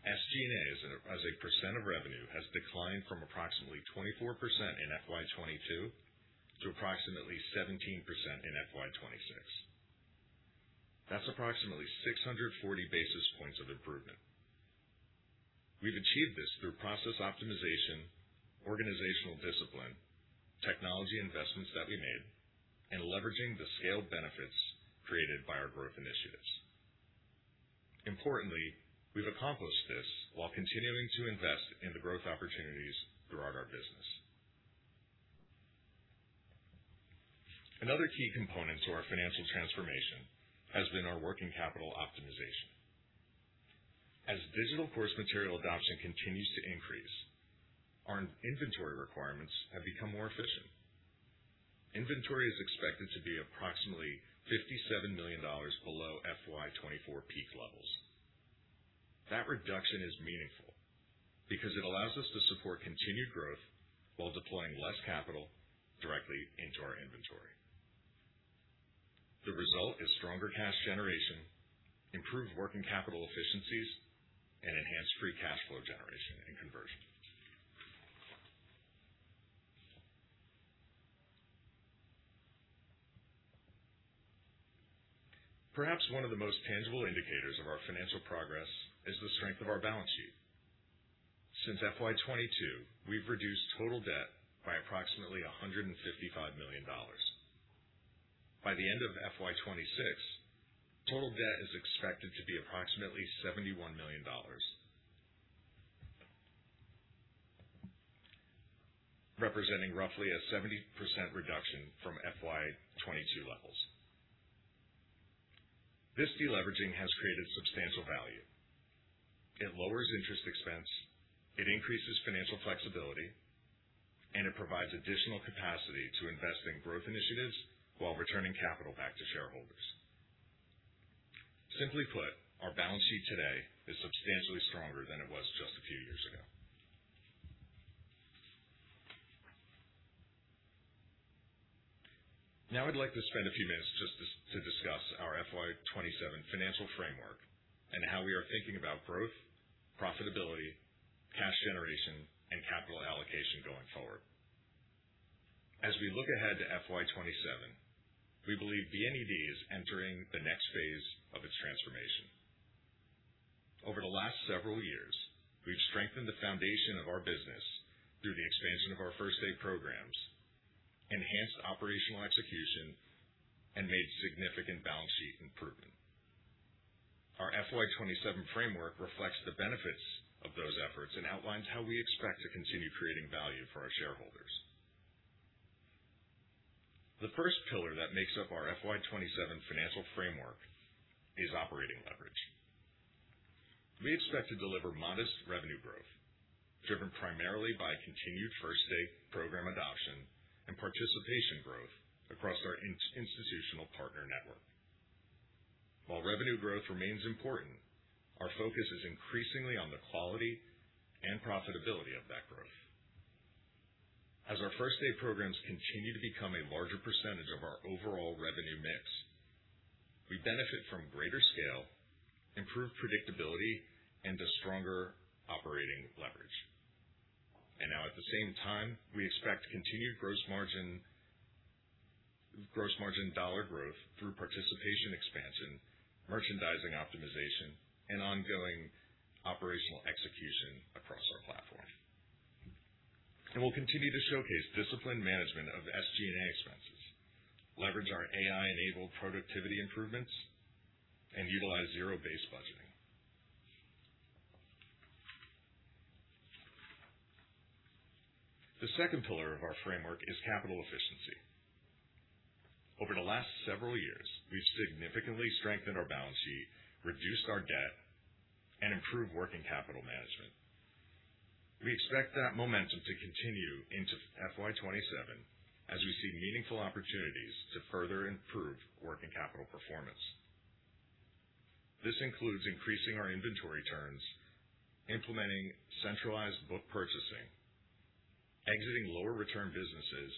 SG&A, as a percent of revenue, has declined from approximately 24% in FY 2022 to approximately 17% in FY 2026. That's approximately 640 basis points of improvement. We've achieved this through process optimization, organizational discipline, technology investments that we made, and leveraging the scale benefits created by our growth initiatives. Importantly, we've accomplished this while continuing to invest in the growth opportunities throughout our business. Another key component to our financial transformation has been our working capital optimization. As digital course material adoption continues to increase, our inventory requirements have become more efficient. Inventory is expected to be approximately $57 million below FY 2024 peak levels. That reduction is meaningful because it allows us to support continued growth while deploying less capital directly into our inventory. The result is stronger cash generation, improved working capital efficiencies, and enhanced free cash flow generation and conversion. Perhaps one of the most tangible indicators of our financial progress is the strength of our balance sheet. Since FY 2022, we've reduced total debt by approximately $155 million. By the end of FY 2026, total debt is expected to be approximately $71 million, representing roughly a 70% reduction from FY 2022 levels. This de-leveraging has created substantial value. It lowers interest expense, it increases financial flexibility, and it provides additional capacity to invest in growth initiatives while returning capital back to shareholders. Simply put, our balance sheet today is substantially stronger than it was just a few years ago. I'd like to spend a few minutes just to discuss our FY 2027 financial framework and how we are thinking about growth, profitability, cash generation, and capital allocation going forward. As we look ahead to FY 2027, we believe BNED is entering the next phase of its transformation. Over the last several years, we've strengthened the foundation of our business through the expansion of our First Day® programs, enhanced operational execution, made significant balance sheet improvement. Our FY 2027 framework reflects the benefits of those efforts and outlines how we expect to continue creating value for our shareholders. The first pillar that makes up our FY 2027 financial framework is operating leverage. We expect to deliver modest revenue growth, driven primarily by continued First Day® program adoption and participation growth across our institutional partner network. While revenue growth remains important, our focus is increasingly on the quality and profitability of that growth. As our First Day® programs continue to become a larger percentage of our overall revenue mix, we benefit from greater scale, improved predictability, a stronger operating leverage. At the same time, we expect continued gross margin dollar growth through participation expansion, merchandising optimization, ongoing operational execution across our platform. We'll continue to showcase disciplined management of SG&A expenses, leverage our AI-enabled productivity improvements, utilize zero-based budgeting. The second pillar of our framework is capital efficiency. Over the last several years, we've significantly strengthened our balance sheet, reduced our debt, improved working capital management. We expect that momentum to continue into FY 2027 as we see meaningful opportunities to further improve working capital performance. This includes increasing our inventory turns, implementing centralized book purchasing, exiting lower return businesses,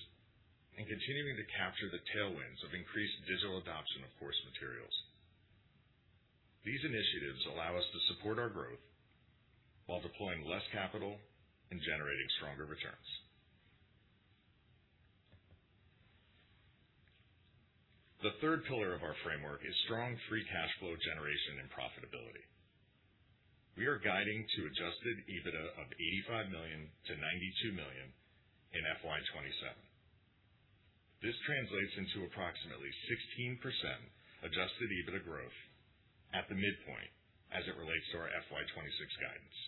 continuing to capture the tailwinds of increased digital adoption, of course, materials. These initiatives allow us to support our growth while deploying less capital and generating stronger returns. The third pillar of our framework is strong free cash flow generation and profitability. We are guiding to adjusted EBITDA of $85 million - $92 million in FY 2027. This translates into approximately 16% adjusted EBITDA growth at the midpoint as it relates to our FY 2026 guidance.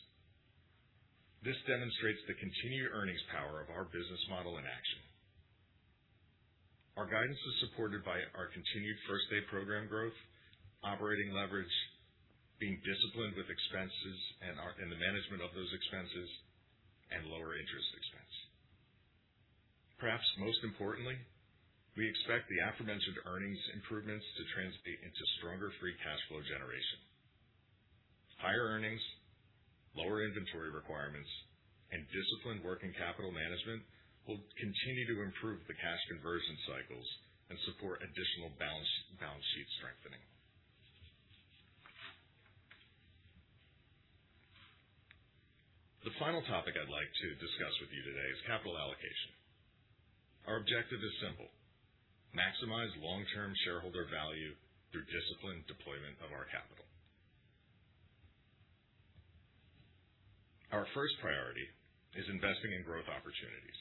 This demonstrates the continued earnings power of our business model in action. Our guidance is supported by our continued First Day® program growth, operating leverage, being disciplined with expenses and the management of those expenses, lower interest expense. Perhaps most importantly, we expect the aforementioned earnings improvements to translate into stronger free cash flow generation. Higher earnings, lower inventory requirements, disciplined working capital management will continue to improve the cash conversion cycles and support additional balance sheet strengthening. The final topic I'd like to discuss with you today is capital allocation. Our objective is simple: maximize long-term shareholder value through disciplined deployment of our capital. Our first priority is investing in growth opportunities.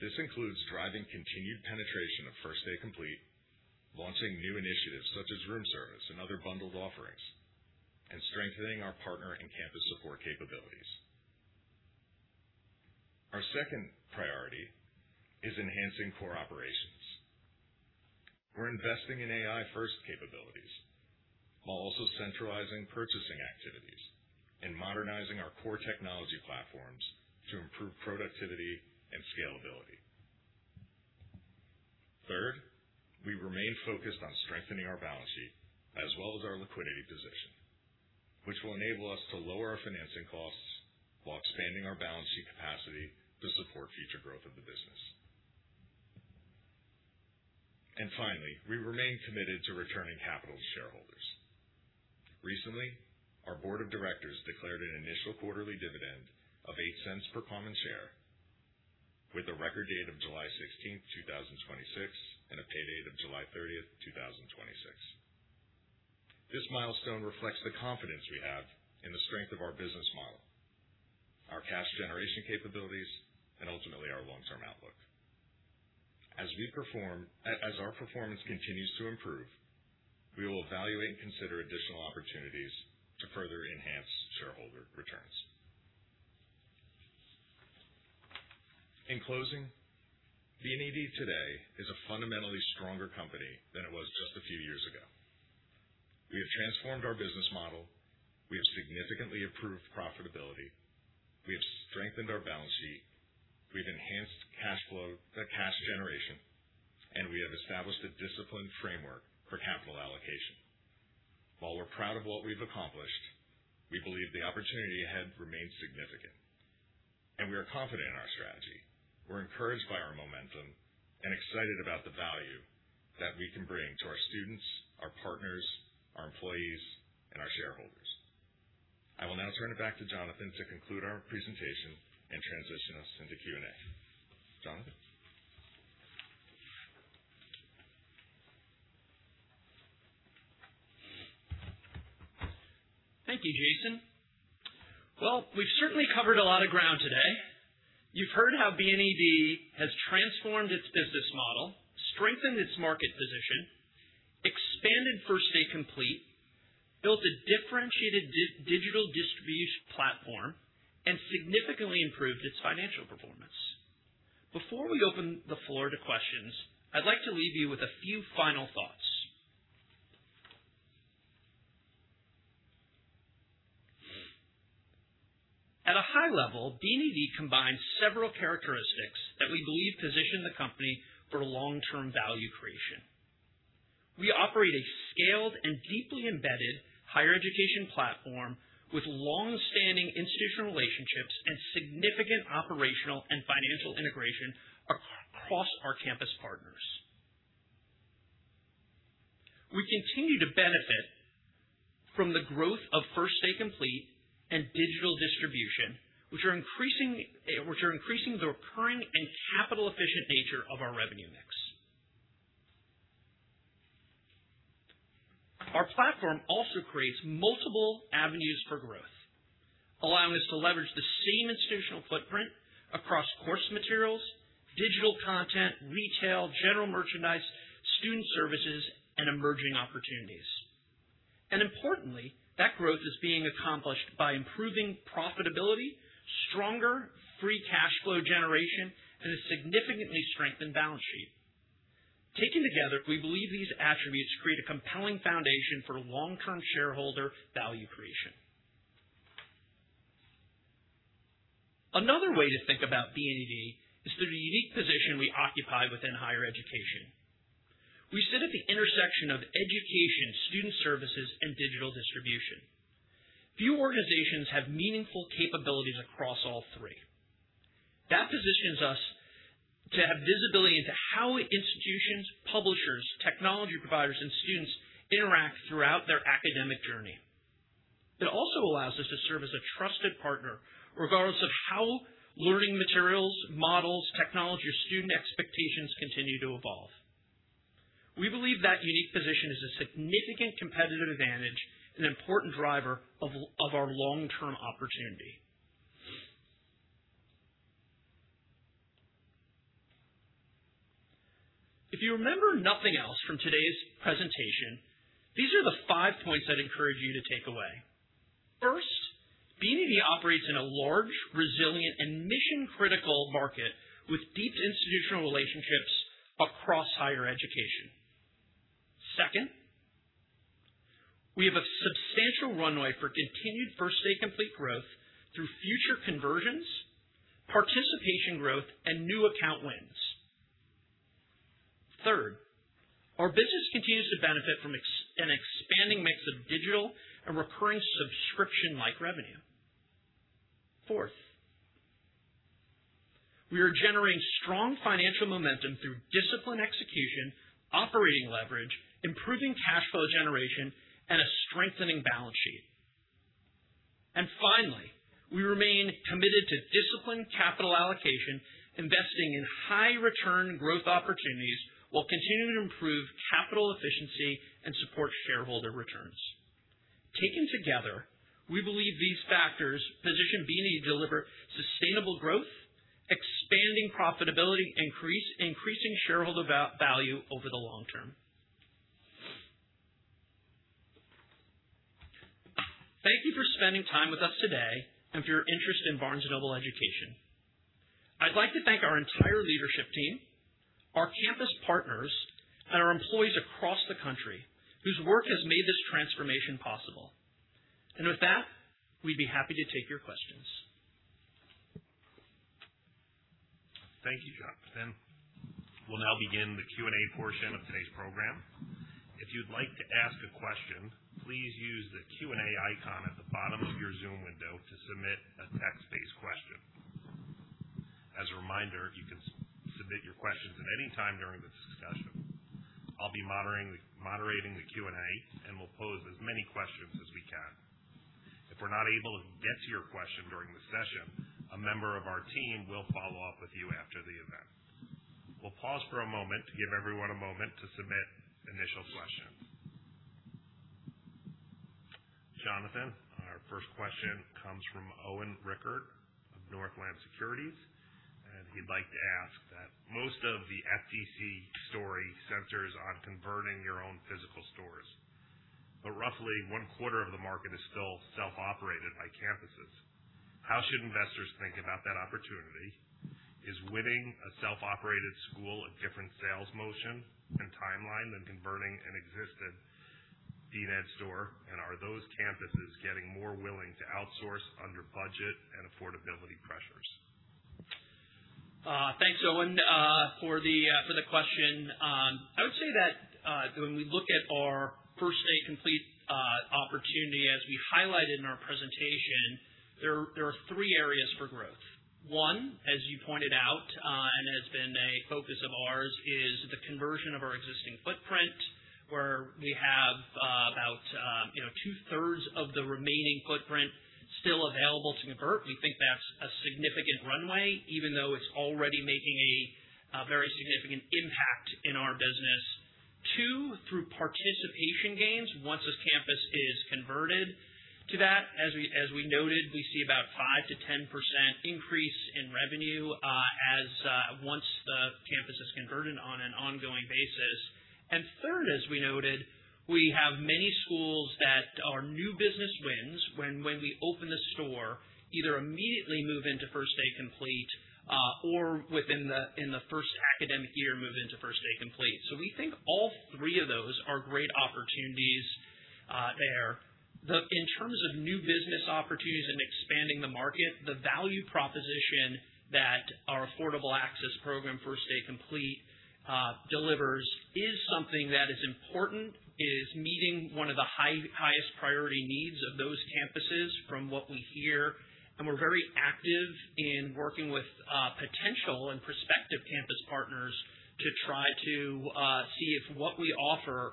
This includes driving continued penetration of First Day® Complete®, launching new initiatives such as Room Service and other bundled offerings, strengthening our partner and campus support capabilities. Our second priority is enhancing core operations. We're investing in AI-first capabilities while also centralizing purchasing activities and modernizing our core technology platforms to improve productivity and scalability. Third, we remain focused on strengthening our balance sheet as well as our liquidity position, which will enable us to lower our financing costs while expanding our balance sheet capacity to support future growth of the business. Finally, we remain committed to returning capital to shareholders. Recently, our board of directors declared an initial quarterly dividend of $0.08 per common share with a record date of July 16th, 2026, and a pay date of July 30th, 2026. This milestone reflects the confidence we have in the strength of our business model, our cash generation capabilities, and ultimately, our long-term outlook. As our performance continues to improve, we will evaluate and consider additional opportunities to further enhance shareholder returns. In closing, BNED today is a fundamentally stronger company than it was just a few years ago. We have transformed our business model, we have significantly improved profitability, we have strengthened our balance sheet, we've enhanced cash flow generation, and we have established a disciplined framework for capital allocation. While we're proud of what we've accomplished, we believe the opportunity ahead remains significant, we are confident in our strategy. We're encouraged by our momentum, excited about the value that we can bring to our students, our partners, our employees, and our shareholders. I will now turn it back to Jonathan to conclude our presentation and transition us into Q&A. Jonathan. Thank you, Jason. Well, we've certainly covered a lot of ground today. You've heard how BNED has transformed its business model, strengthened its market position, expanded First Day Complete, built a differentiated digital distribution platform, significantly improved its financial performance. Before we open the floor to questions, I'd like to leave you with a few final thoughts. At a high level, BNED combines several characteristics that we believe position the company for long-term value creation. We operate a scaled and deeply embedded higher education platform with long-standing institutional relationships and significant operational and financial integration across our campus partners. We continue to benefit from the growth of First Day Complete and digital distribution, which are increasing the recurring and capital-efficient nature of our revenue mix. Our platform also creates multiple avenues for growth, allowing us to leverage the same institutional footprint across course materials, digital content, retail, general merchandise, student services, and emerging opportunities. Importantly, that growth is being accomplished by improving profitability, stronger free cash flow generation, and a significantly strengthened balance sheet. Taken together, we believe these attributes create a compelling foundation for long-term shareholder value creation. Another way to think about BNED is through the unique position we occupy within higher education. We sit at the intersection of education, student services, and digital distribution. Few organizations have meaningful capabilities across all three. That positions us to have visibility into how institutions, publishers, technology providers, and students interact throughout their academic journey. It also allows us to serve as a trusted partner, regardless of how learning materials, models, technology, or student expectations continue to evolve. We believe that unique position is a significant competitive advantage and an important driver of our long-term opportunity. If you remember nothing else from today's presentation, these are the five points I'd encourage you to take away. First, BNED operates in a large, resilient, and mission-critical market with deep institutional relationships across higher education. Second, we have a substantial runway for continued First Day Complete growth through future conversions, participation growth, and new account wins. Third, our business continues to benefit from an expanding mix of digital and recurring subscription-like revenue. Fourth, we are generating strong financial momentum through disciplined execution, operating leverage, improving cash flow generation, and a strengthening balance sheet. Finally, we remain committed to disciplined capital allocation, investing in high return growth opportunities while continuing to improve capital efficiency and support shareholder returns. Taken together, we believe these factors position BNED to deliver sustainable growth, expanding profitability, increasing shareholder value over the long term. Thank you for spending time with us today and for your interest in Barnes & Noble Education. I'd like to thank our entire leadership team, our campus partners, and our employees across the country whose work has made this transformation possible. With that, we'd be happy to take your questions. Thank you, Jonathan. We'll now begin the Q&A portion of today's program. If you'd like to ask a question, please use the Q&A icon at the bottom of your Zoom window to submit a text-based question. As a reminder, you can submit your questions at any time during this discussion. I'll be moderating the Q&A, and we'll pose as many questions as we can. If we're not able to get to your question during the session, a member of our team will follow up with you after the event. We'll pause for a moment to give everyone a moment to submit initial questions. Jonathan, our first question comes from Owen Rickert of Northland Securities, and he'd like to ask that most of the FDC story centers on converting your own physical stores. Roughly one-quarter of the market is still self-operated by campuses. How should investors think about that opportunity? Is winning a self-operated school a different sales motion and timeline than converting an existing BNED store? Are those campuses getting more willing to outsource under budget and affordability pressures? Thanks, Owen, for the question. I would say that when we look at our First Day® Complete® opportunity, as we highlighted in our presentation, there are three areas for growth. One, as you pointed out, and has been a focus of ours, is the conversion of our existing footprint, where we have about two-thirds of the remaining footprint still available to convert. We think that's a significant runway, even though it's already making a very significant impact in our business. Two, through participation gains, once a campus is converted to that, as we noted, we see about 5%-10% increase in revenue once the campus is converted on an ongoing basis. Third, as we noted, we have many schools that are new business wins when we open a store, either immediately move into First Day® Complete® or within the first academic year, move into First Day® Complete®. We think all three of those are great opportunities there. In terms of new business opportunities and expanding the market, the value proposition that our affordable access program, First Day® Complete®, delivers is something that is important, is meeting one of the highest priority needs of those campuses from what we hear, and we're very active in working with potential and prospective campus partners to try to see if what we offer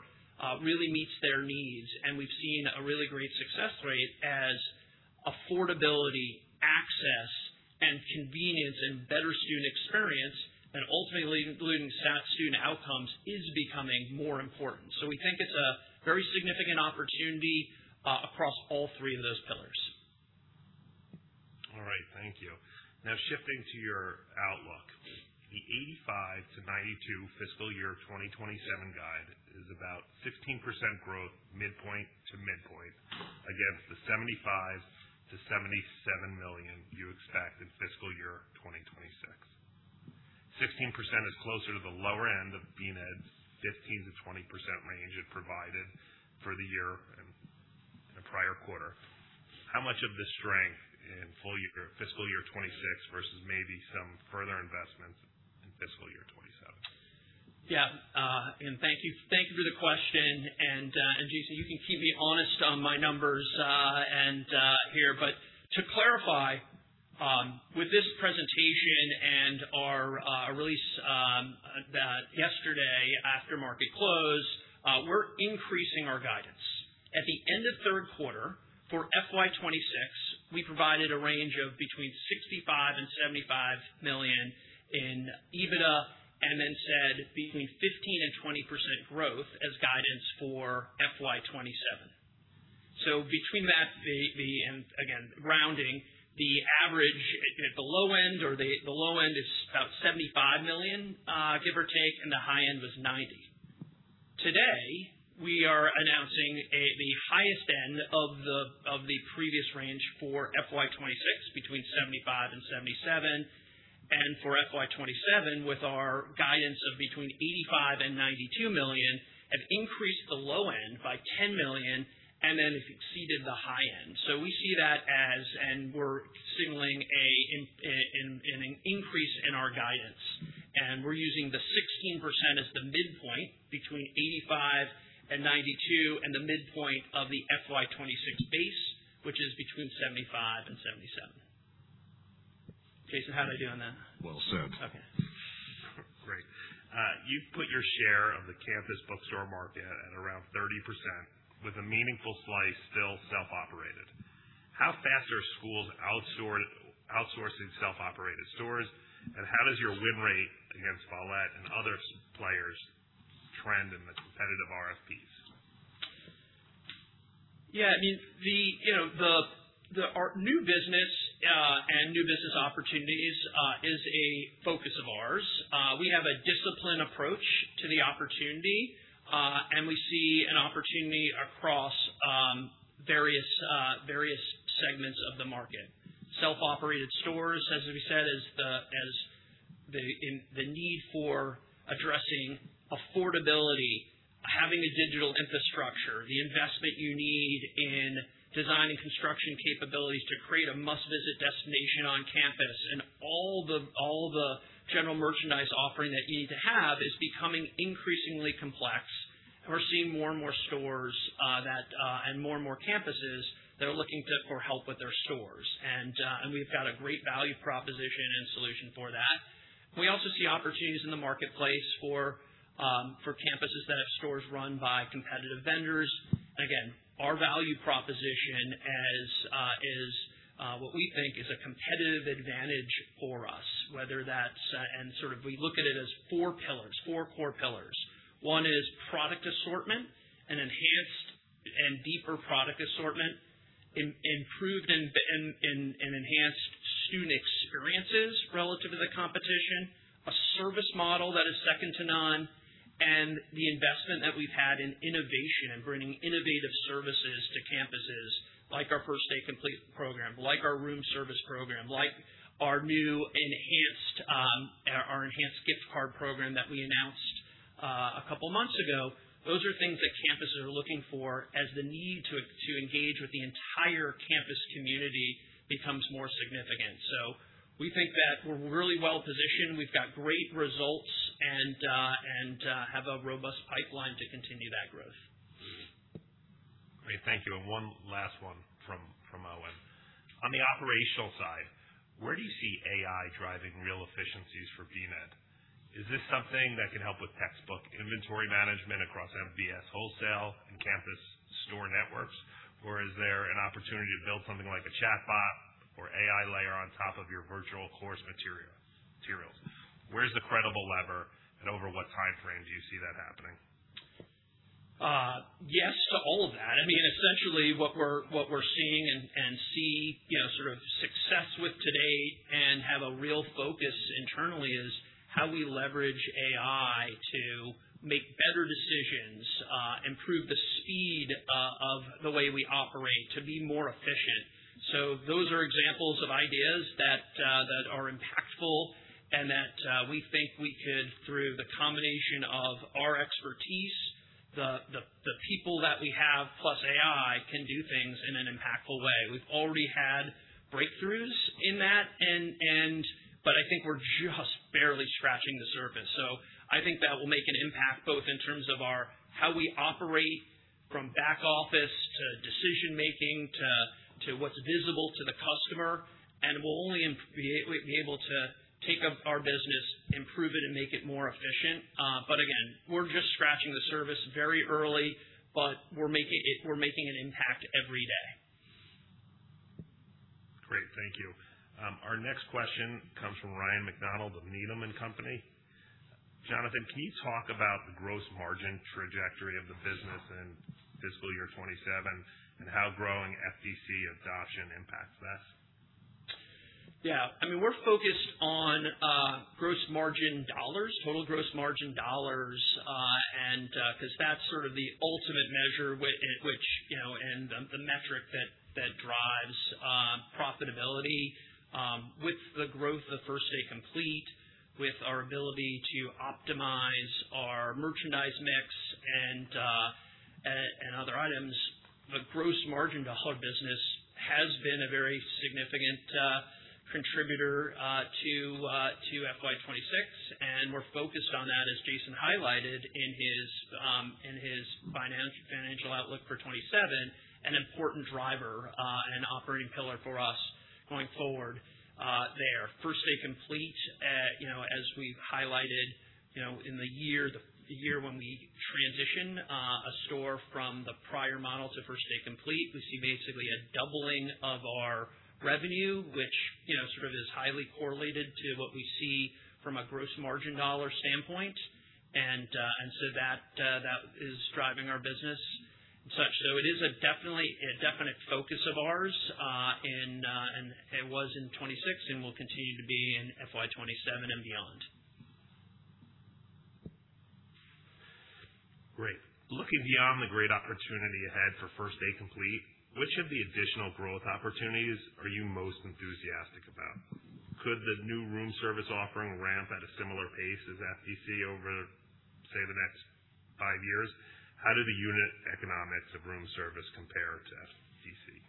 really meets their needs. We've seen a really great success rate as affordability, access, and convenience, and better student experience, and ultimately including student outcomes, is becoming more important. We think it's a very significant opportunity across all three of those pillars. All right. Thank you. Now shifting to your outlook. The $85 million-$92 million FY 2027 guide is about 16% growth midpoint to midpoint against the $75 million-$77 million you expect in FY 2026. 16% is closer to the lower end of BNED's 15%-20% range it provided for the year in the prior quarter. How much of this strength in full FY 2026 versus maybe some further investments in FY 2027? Yeah. Again, thank you for the question. Jason, you can keep me honest on my numbers here. To clarify, with this presentation and our release yesterday after market close, we're increasing our guidance. At the end of third quarter for FY 2026, we provided a range of between $65 million and $75 million in EBITDA, and then said between 15% and 20% growth as guidance for FY 2027. Between that, and again, rounding the average at the low end or the low end is about $75 million, give or take, and the high end was $90 million. Today, we are announcing the highest end of the previous range for FY 2026 between $75 million and $77 million, and for FY 2027, with our guidance of between $85 million and $92 million, have increased the low end by $10 million and then exceeded the high end. We see that as, and we're signaling an increase in our guidance, and we're using the 16% as the midpoint between $85 million and $92 million and the midpoint of the FY 2026 base, which is between $75 million and $77 million. Jason, how'd I do on that? Well said. Okay. Great. You've put your share of the campus bookstore market at around 30%, with a meaningful slice still self-operated. How fast are schools outsourcing self-operated stores, and how does your win rate against Follett and other players trend in the competitive RFPs? Our new business and new business opportunities is a focus of ours. We have a disciplined approach to the opportunity, and we see an opportunity across various segments of the market. Self-operated stores, as we said, as the need for addressing affordability, having a digital infrastructure, the investment you need in design and construction capabilities to create a must-visit destination on campus, and all the general merchandise offering that you need to have is becoming increasingly complex. We're seeing more and more stores and more and more campuses that are looking for help with their stores. We've got a great value proposition and solution for that. We also see opportunities in the marketplace for campuses that have stores run by competitive vendors. Our value proposition is what we think is a competitive advantage for us, whether that's, we look at it as four pillars, four core pillars. One is product assortment and enhanced and deeper product assortment, improved, and enhanced student experiences relative to the competition, a service model that is second to none, and the investment that we've had in innovation and bringing innovative services to campuses, like our First Day Complete® program, like our Room Service program, like our enhanced gift card program that we announced a couple months ago. Those are things that campuses are looking for as the need to engage with the entire campus community becomes more significant. We think that we're really well-positioned. We've got great results and have a robust pipeline to continue that growth. Great. Thank you. One last one from my end. On the operational side, where do you see AI driving real efficiencies for BNED? Is this something that can help with textbook inventory management across MBS wholesale and campus store networks? Or is there an opportunity to build something like a chatbot or AI layer on top of your virtual course materials? Where's the credible lever, and over what timeframe do you see that happening? Yes to all of that. Essentially what we're seeing and see success with today and have a real focus internally is how we leverage AI to make better decisions, improve the speed of the way we operate to be more efficient. Those are examples of ideas that are impactful and that we think we could, through the combination of our expertise, the people that we have, plus AI, can do things in an impactful way. We've already had breakthroughs in that, I think we're just barely scratching the surface. I think that will make an impact both in terms of how we operate from back office to decision-making to what's visible to the customer. We'll only be able to take up our business, improve it, and make it more efficient. Again, we're just scratching the surface very early, but we're making an impact every day. Great. Thank you. Our next question comes from Ryan McDonald of Needham & Company. Jonathan, can you talk about the gross margin trajectory of the business in fiscal year 2027 and how growing FDC adoption impacts this? Yeah. We're focused on gross margin dollars, total gross margin dollars, because that's sort of the ultimate measure and the metric that drives profitability. With the growth of First Day® Complete®, with our ability to optimize our merchandise mix and other items, the gross margin to hub business has been a very significant contributor to FY 2026, and we're focused on that, as Jason highlighted in his financial outlook for 2027, an important driver and operating pillar for us going forward there. First Day® Complete®, as we've highlighted, in the year when we transition a store from the prior model to First Day® Complete®, we see basically a doubling of our revenue, which sort of is highly correlated to what we see from a gross margin dollar standpoint. That is driving our business and such. It is a definite focus of ours, and it was in 2026 and will continue to be in FY 2027 and beyond. Great. Looking beyond the great opportunity ahead for First Day® Complete®, which of the additional growth opportunities are you most enthusiastic about? Could the new Room Service offering ramp at a similar pace as FDC over, say, the next five years? How do the unit economics of Room Service compare to FDC?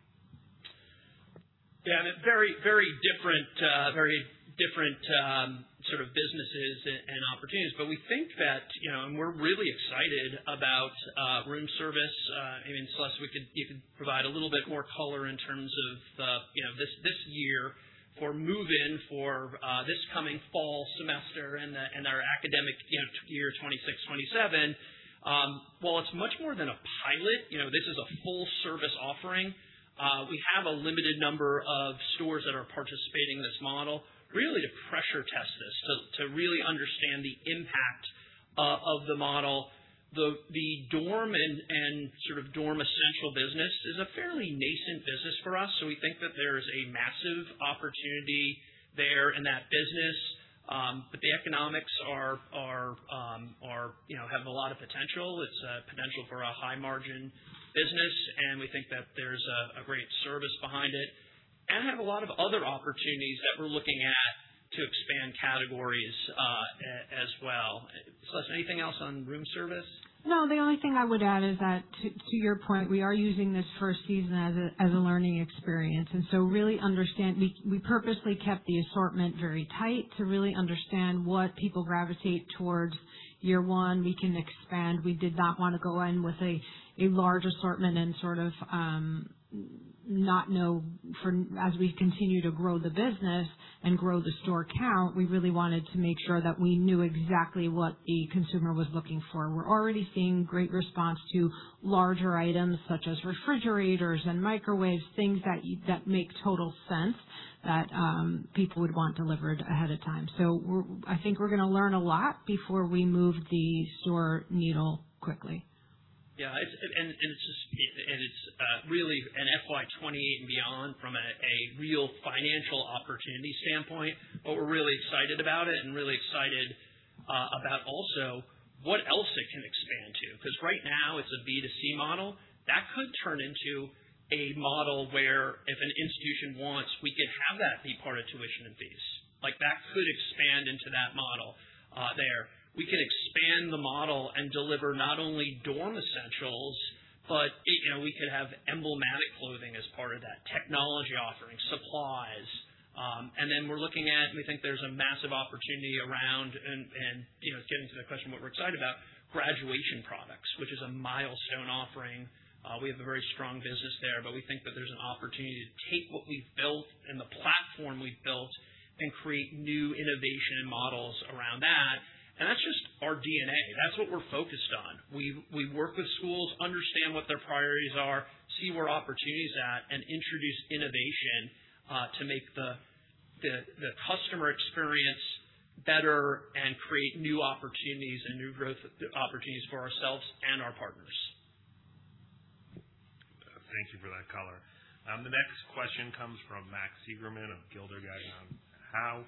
Very different sort of businesses and opportunities. We think that, and we're really excited about Room Service. Celeste, we could even provide a little bit more color in terms of this year for move-in for this coming fall semester and our academic year 2026, 2027. While it's much more than a pilot, this is a full-service offering. We have a limited number of stores that are participating in this model, really to pressure test this, to really understand the impact of the model. The dorm and sort of dorm essential business is a fairly nascent business for us. We think that there is a massive opportunity there in that business. The economics have a lot of potential. It's a potential for a high-margin business, and we think that there's a great service behind it. Have a lot of other opportunities that we're looking at to expand categories as well. Celeste, anything else on Room Service? No, the only thing I would add is that to your point, we are using this first season as a learning experience. Really understand, we purposely kept the assortment very tight to really understand what people gravitate towards. Year one, we can expand. We did not want to go in with a large assortment and sort of not know as we continue to grow the business and grow the store count. We really wanted to make sure that we knew exactly what the consumer was looking for. We're already seeing great response to larger items such as refrigerators and microwaves, things that make total sense that people would want delivered ahead of time. I think we're going to learn a lot before we move the store needle quickly. It's really an FY 2028 and beyond from a real financial opportunity standpoint. We're really excited about it and really excited about also what else it can expand to. Right now it's a B2C model. That could turn into a model where if an institution wants, we could have that be part of tuition and fees. That could expand into that model there. We could expand the model and deliver not only dorm essentials, but we could have emblematic clothing as part of that technology offering, supplies. We're looking at, we think there's a massive opportunity around, and getting to the question what we're excited about, graduation products, which is a milestone offering. We have a very strong business there, but we think that there's an opportunity to take what we've built and the platform we've built and create new innovation and models around that. That's just our DNA. That's what we're focused on. We work with schools, understand what their priorities are, see where opportunity is at, and introduce innovation to make the customer experience better and create new opportunities and new growth opportunities for ourselves and our partners. Thank you for that color. The next question comes from Max Seigerman of Gilder Gagnon.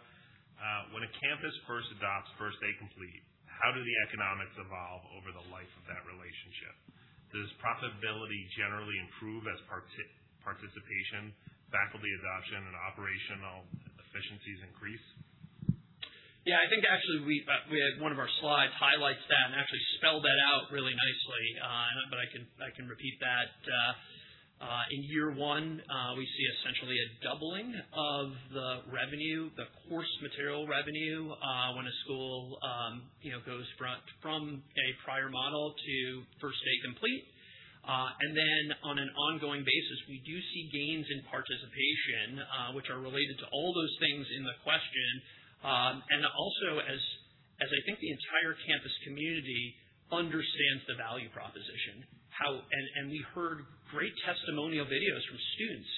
When a campus first adopts First Day Complete, how do the economics evolve over the life of that relationship? Does profitability generally improve as participation, faculty adoption, and operational efficiencies increase? I think actually one of our slides highlights that and actually spelled that out really nicely. I can repeat that. In year one, we see essentially a doubling of the revenue, the course material revenue, when a school goes from a prior model to First Day® Complete®. Then on an ongoing basis, we do see gains in participation, which are related to all those things in the question. Also as I think the entire campus community understands the value proposition. We heard great testimonial videos from students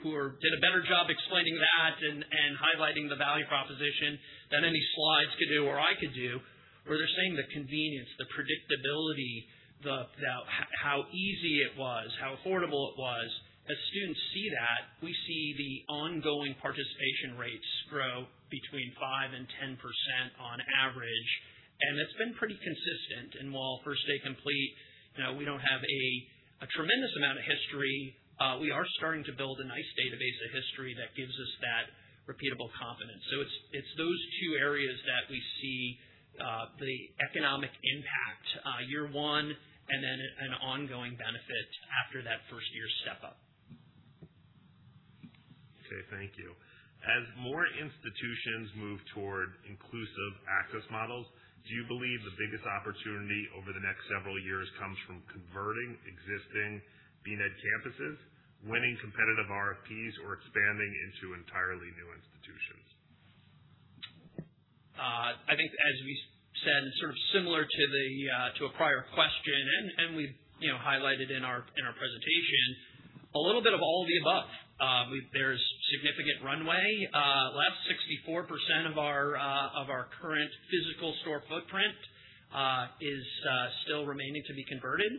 who did a better job explaining that and highlighting the value proposition than any slides could do or I could do, where they're saying the convenience, the predictability, how easy it was, how affordable it was. As students see that, we see the ongoing participation rates grow between 5%-10% on average, and it's been pretty consistent. While First Day® Complete®, we don't have a tremendous amount of history, we are starting to build a nice database of history that gives us that repeatable confidence. It's those two areas that we see the economic impact, year one and then an ongoing benefit after that first year step-up. Okay, thank you. As more institutions move toward inclusive access models, do you believe the biggest opportunity over the next several years comes from converting existing BNED campuses, winning competitive RFPs, or expanding into entirely new institutions? I think as we said, sort of similar to a prior question and we've highlighted in our presentation, a little bit of all of the above. There's significant runway left. 64% of our current physical store footprint is still remaining to be converted.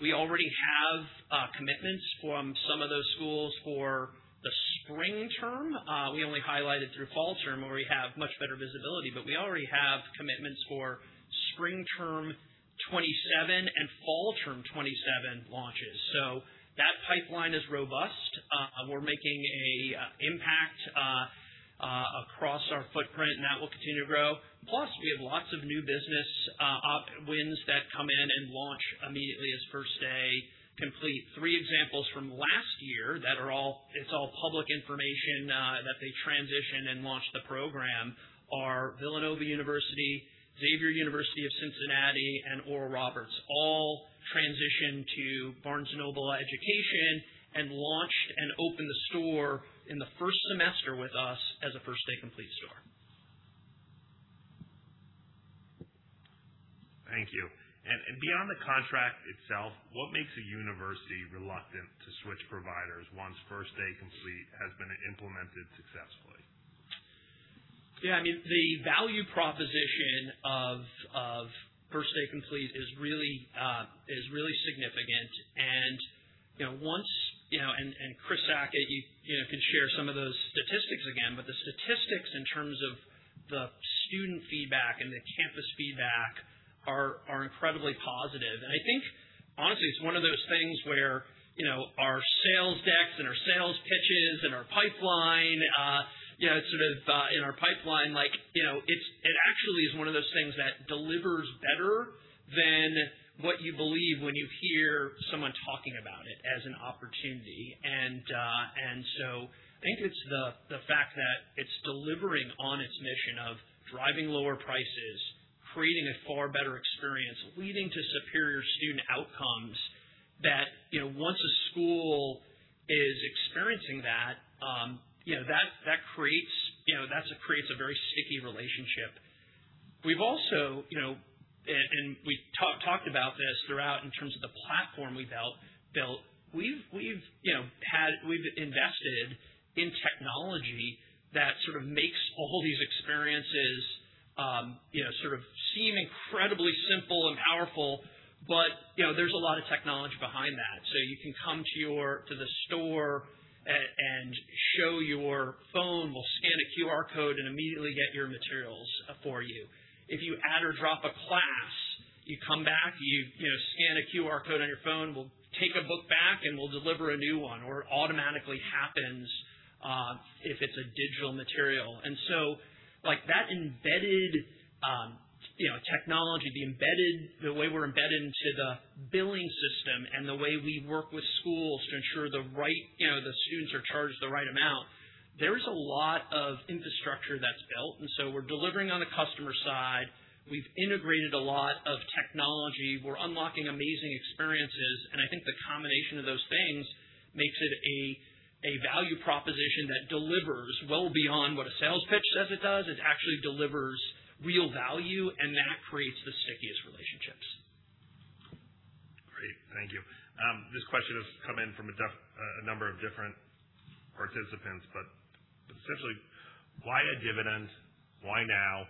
We already have commitments from some of those schools for the spring term. We only highlighted through fall term, where we have much better visibility, but we already have For spring term 2027 and fall term 2027 launches. That pipeline is robust. We're making a impact across our footprint, and that will continue to grow. Plus, we have lots of new business wins that come in and launch immediately as First Day Complete. Three examples from last year, it's all public information, that they transitioned and launched the program are Villanova University, Xavier University of Cincinnati, and Oral Roberts, all transitioned to Barnes & Noble Education and launched and opened the store in the first semester with us as a First Day Complete store. Thank you. Beyond the contract itself, what makes a university reluctant to switch providers once First Day Complete has been implemented successfully? The value proposition of First Day Complete is really significant. Chris Sackett can share some of those statistics again, but the statistics in terms of the student feedback and the campus feedback are incredibly positive. I think honestly, it's one of those things where our sales decks and our sales pitches and our pipeline, it actually is one of those things that delivers better than what you believe when you hear someone talking about it as an opportunity. I think it's the fact that it's delivering on its mission of driving lower prices, creating a far better experience, leading to superior student outcomes that once a school is experiencing that creates a very sticky relationship. We've also, we've talked about this throughout in terms of the platform we've built. We've invested in technology that sort of makes all these experiences seem incredibly simple and powerful, but there's a lot of technology behind that. You can come to the store and show your phone. We'll scan a QR code immediately get your materials for you. If you add or drop a class, you come back, you scan a QR code on your phone, we'll take a book back, we'll deliver a new one, or it automatically happens, if it's a digital material. That embedded technology, the way we're embedded into the billing system and the way we work with schools to ensure the students are charged the right amount, there's a lot of infrastructure that's built. We're delivering on the customer side. We've integrated a lot of technology. We're unlocking amazing experiences. I think the combination of those things makes it a value proposition that delivers well beyond what a sales pitch says it does. It actually delivers real value, that creates the stickiest relationships. Great. Thank you. This question has come in from a number of different participants, essentially, why a dividend? Why now?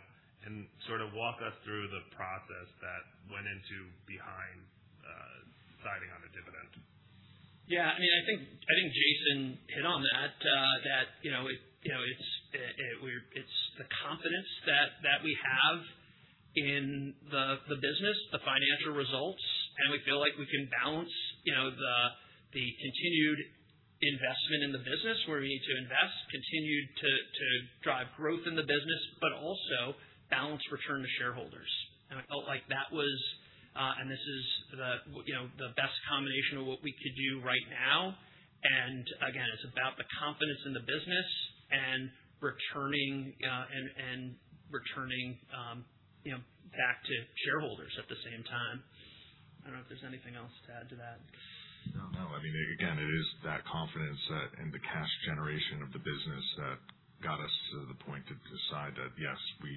Sort of walk us through the process that went into behind deciding on a dividend. I think Jason hit on that. It's the confidence that we have in the business, the financial results. We feel like we can balance the continued investment in the business where we need to invest, continue to drive growth in the business, also balance return to shareholders. I felt like that was the best combination of what we could do right now. Again, it's about the confidence in the business and returning back to shareholders at the same time. I don't know if there's anything else to add to that. No, no. Again, it is that confidence and the cash generation of the business that got us to the point to decide that, yes, we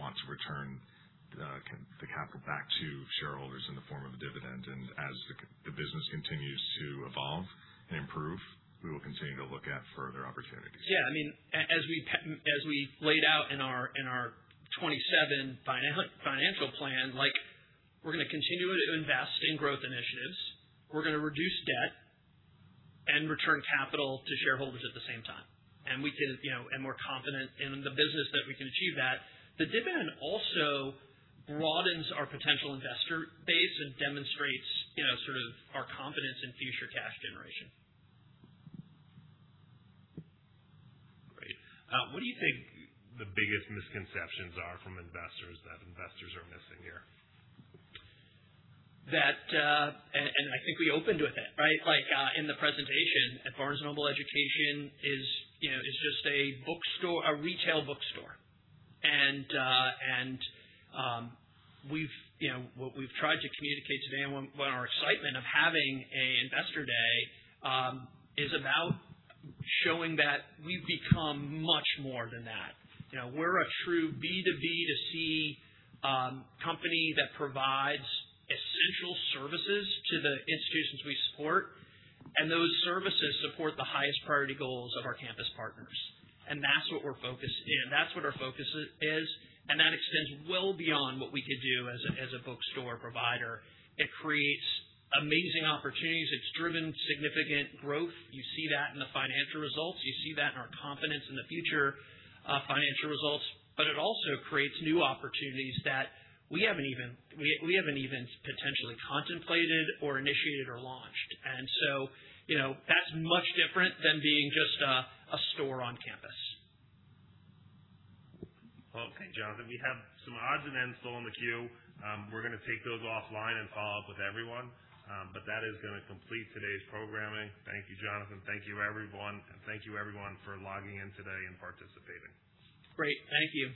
want to return the capital back to shareholders in the form of a dividend. As the business continues to evolve and improve, we will continue to look at further opportunities. As we laid out in our 2027 financial plan, we're going to continue to invest in growth initiatives. We're going to reduce debt and return capital to shareholders at the same time. We're confident in the business that we can achieve that. The dividend also broadens our potential investor base and demonstrates our confidence in future cash generation. Great. What do you think the biggest misconceptions are from investors that investors are missing here? I think we opened with it, right? In the presentation that Barnes & Noble Education is just a retail bookstore. What we've tried to communicate today and our excitement of having an Investor Day, is about showing that we've become much more than that. We're a true B2B2C company that provides essential services to the institutions we support, and those services support the highest priority goals of our campus partners. That's what we're focused in. That's what our focus is, and that extends well beyond what we could do as a bookstore provider. It creates amazing opportunities. It's driven significant growth. You see that in the financial results. You see that in our confidence in the future financial results. It also creates new opportunities that we haven't even potentially contemplated or initiated or launched. That's much different than being just a store on campus. Okay, Jonathan, we have some odds and ends still in the queue. We're going to take those offline and follow up with everyone. That is going to complete today's programming. Thank you, Jonathan. Thank you, everyone. Thank you everyone for logging in today and participating. Great. Thank you.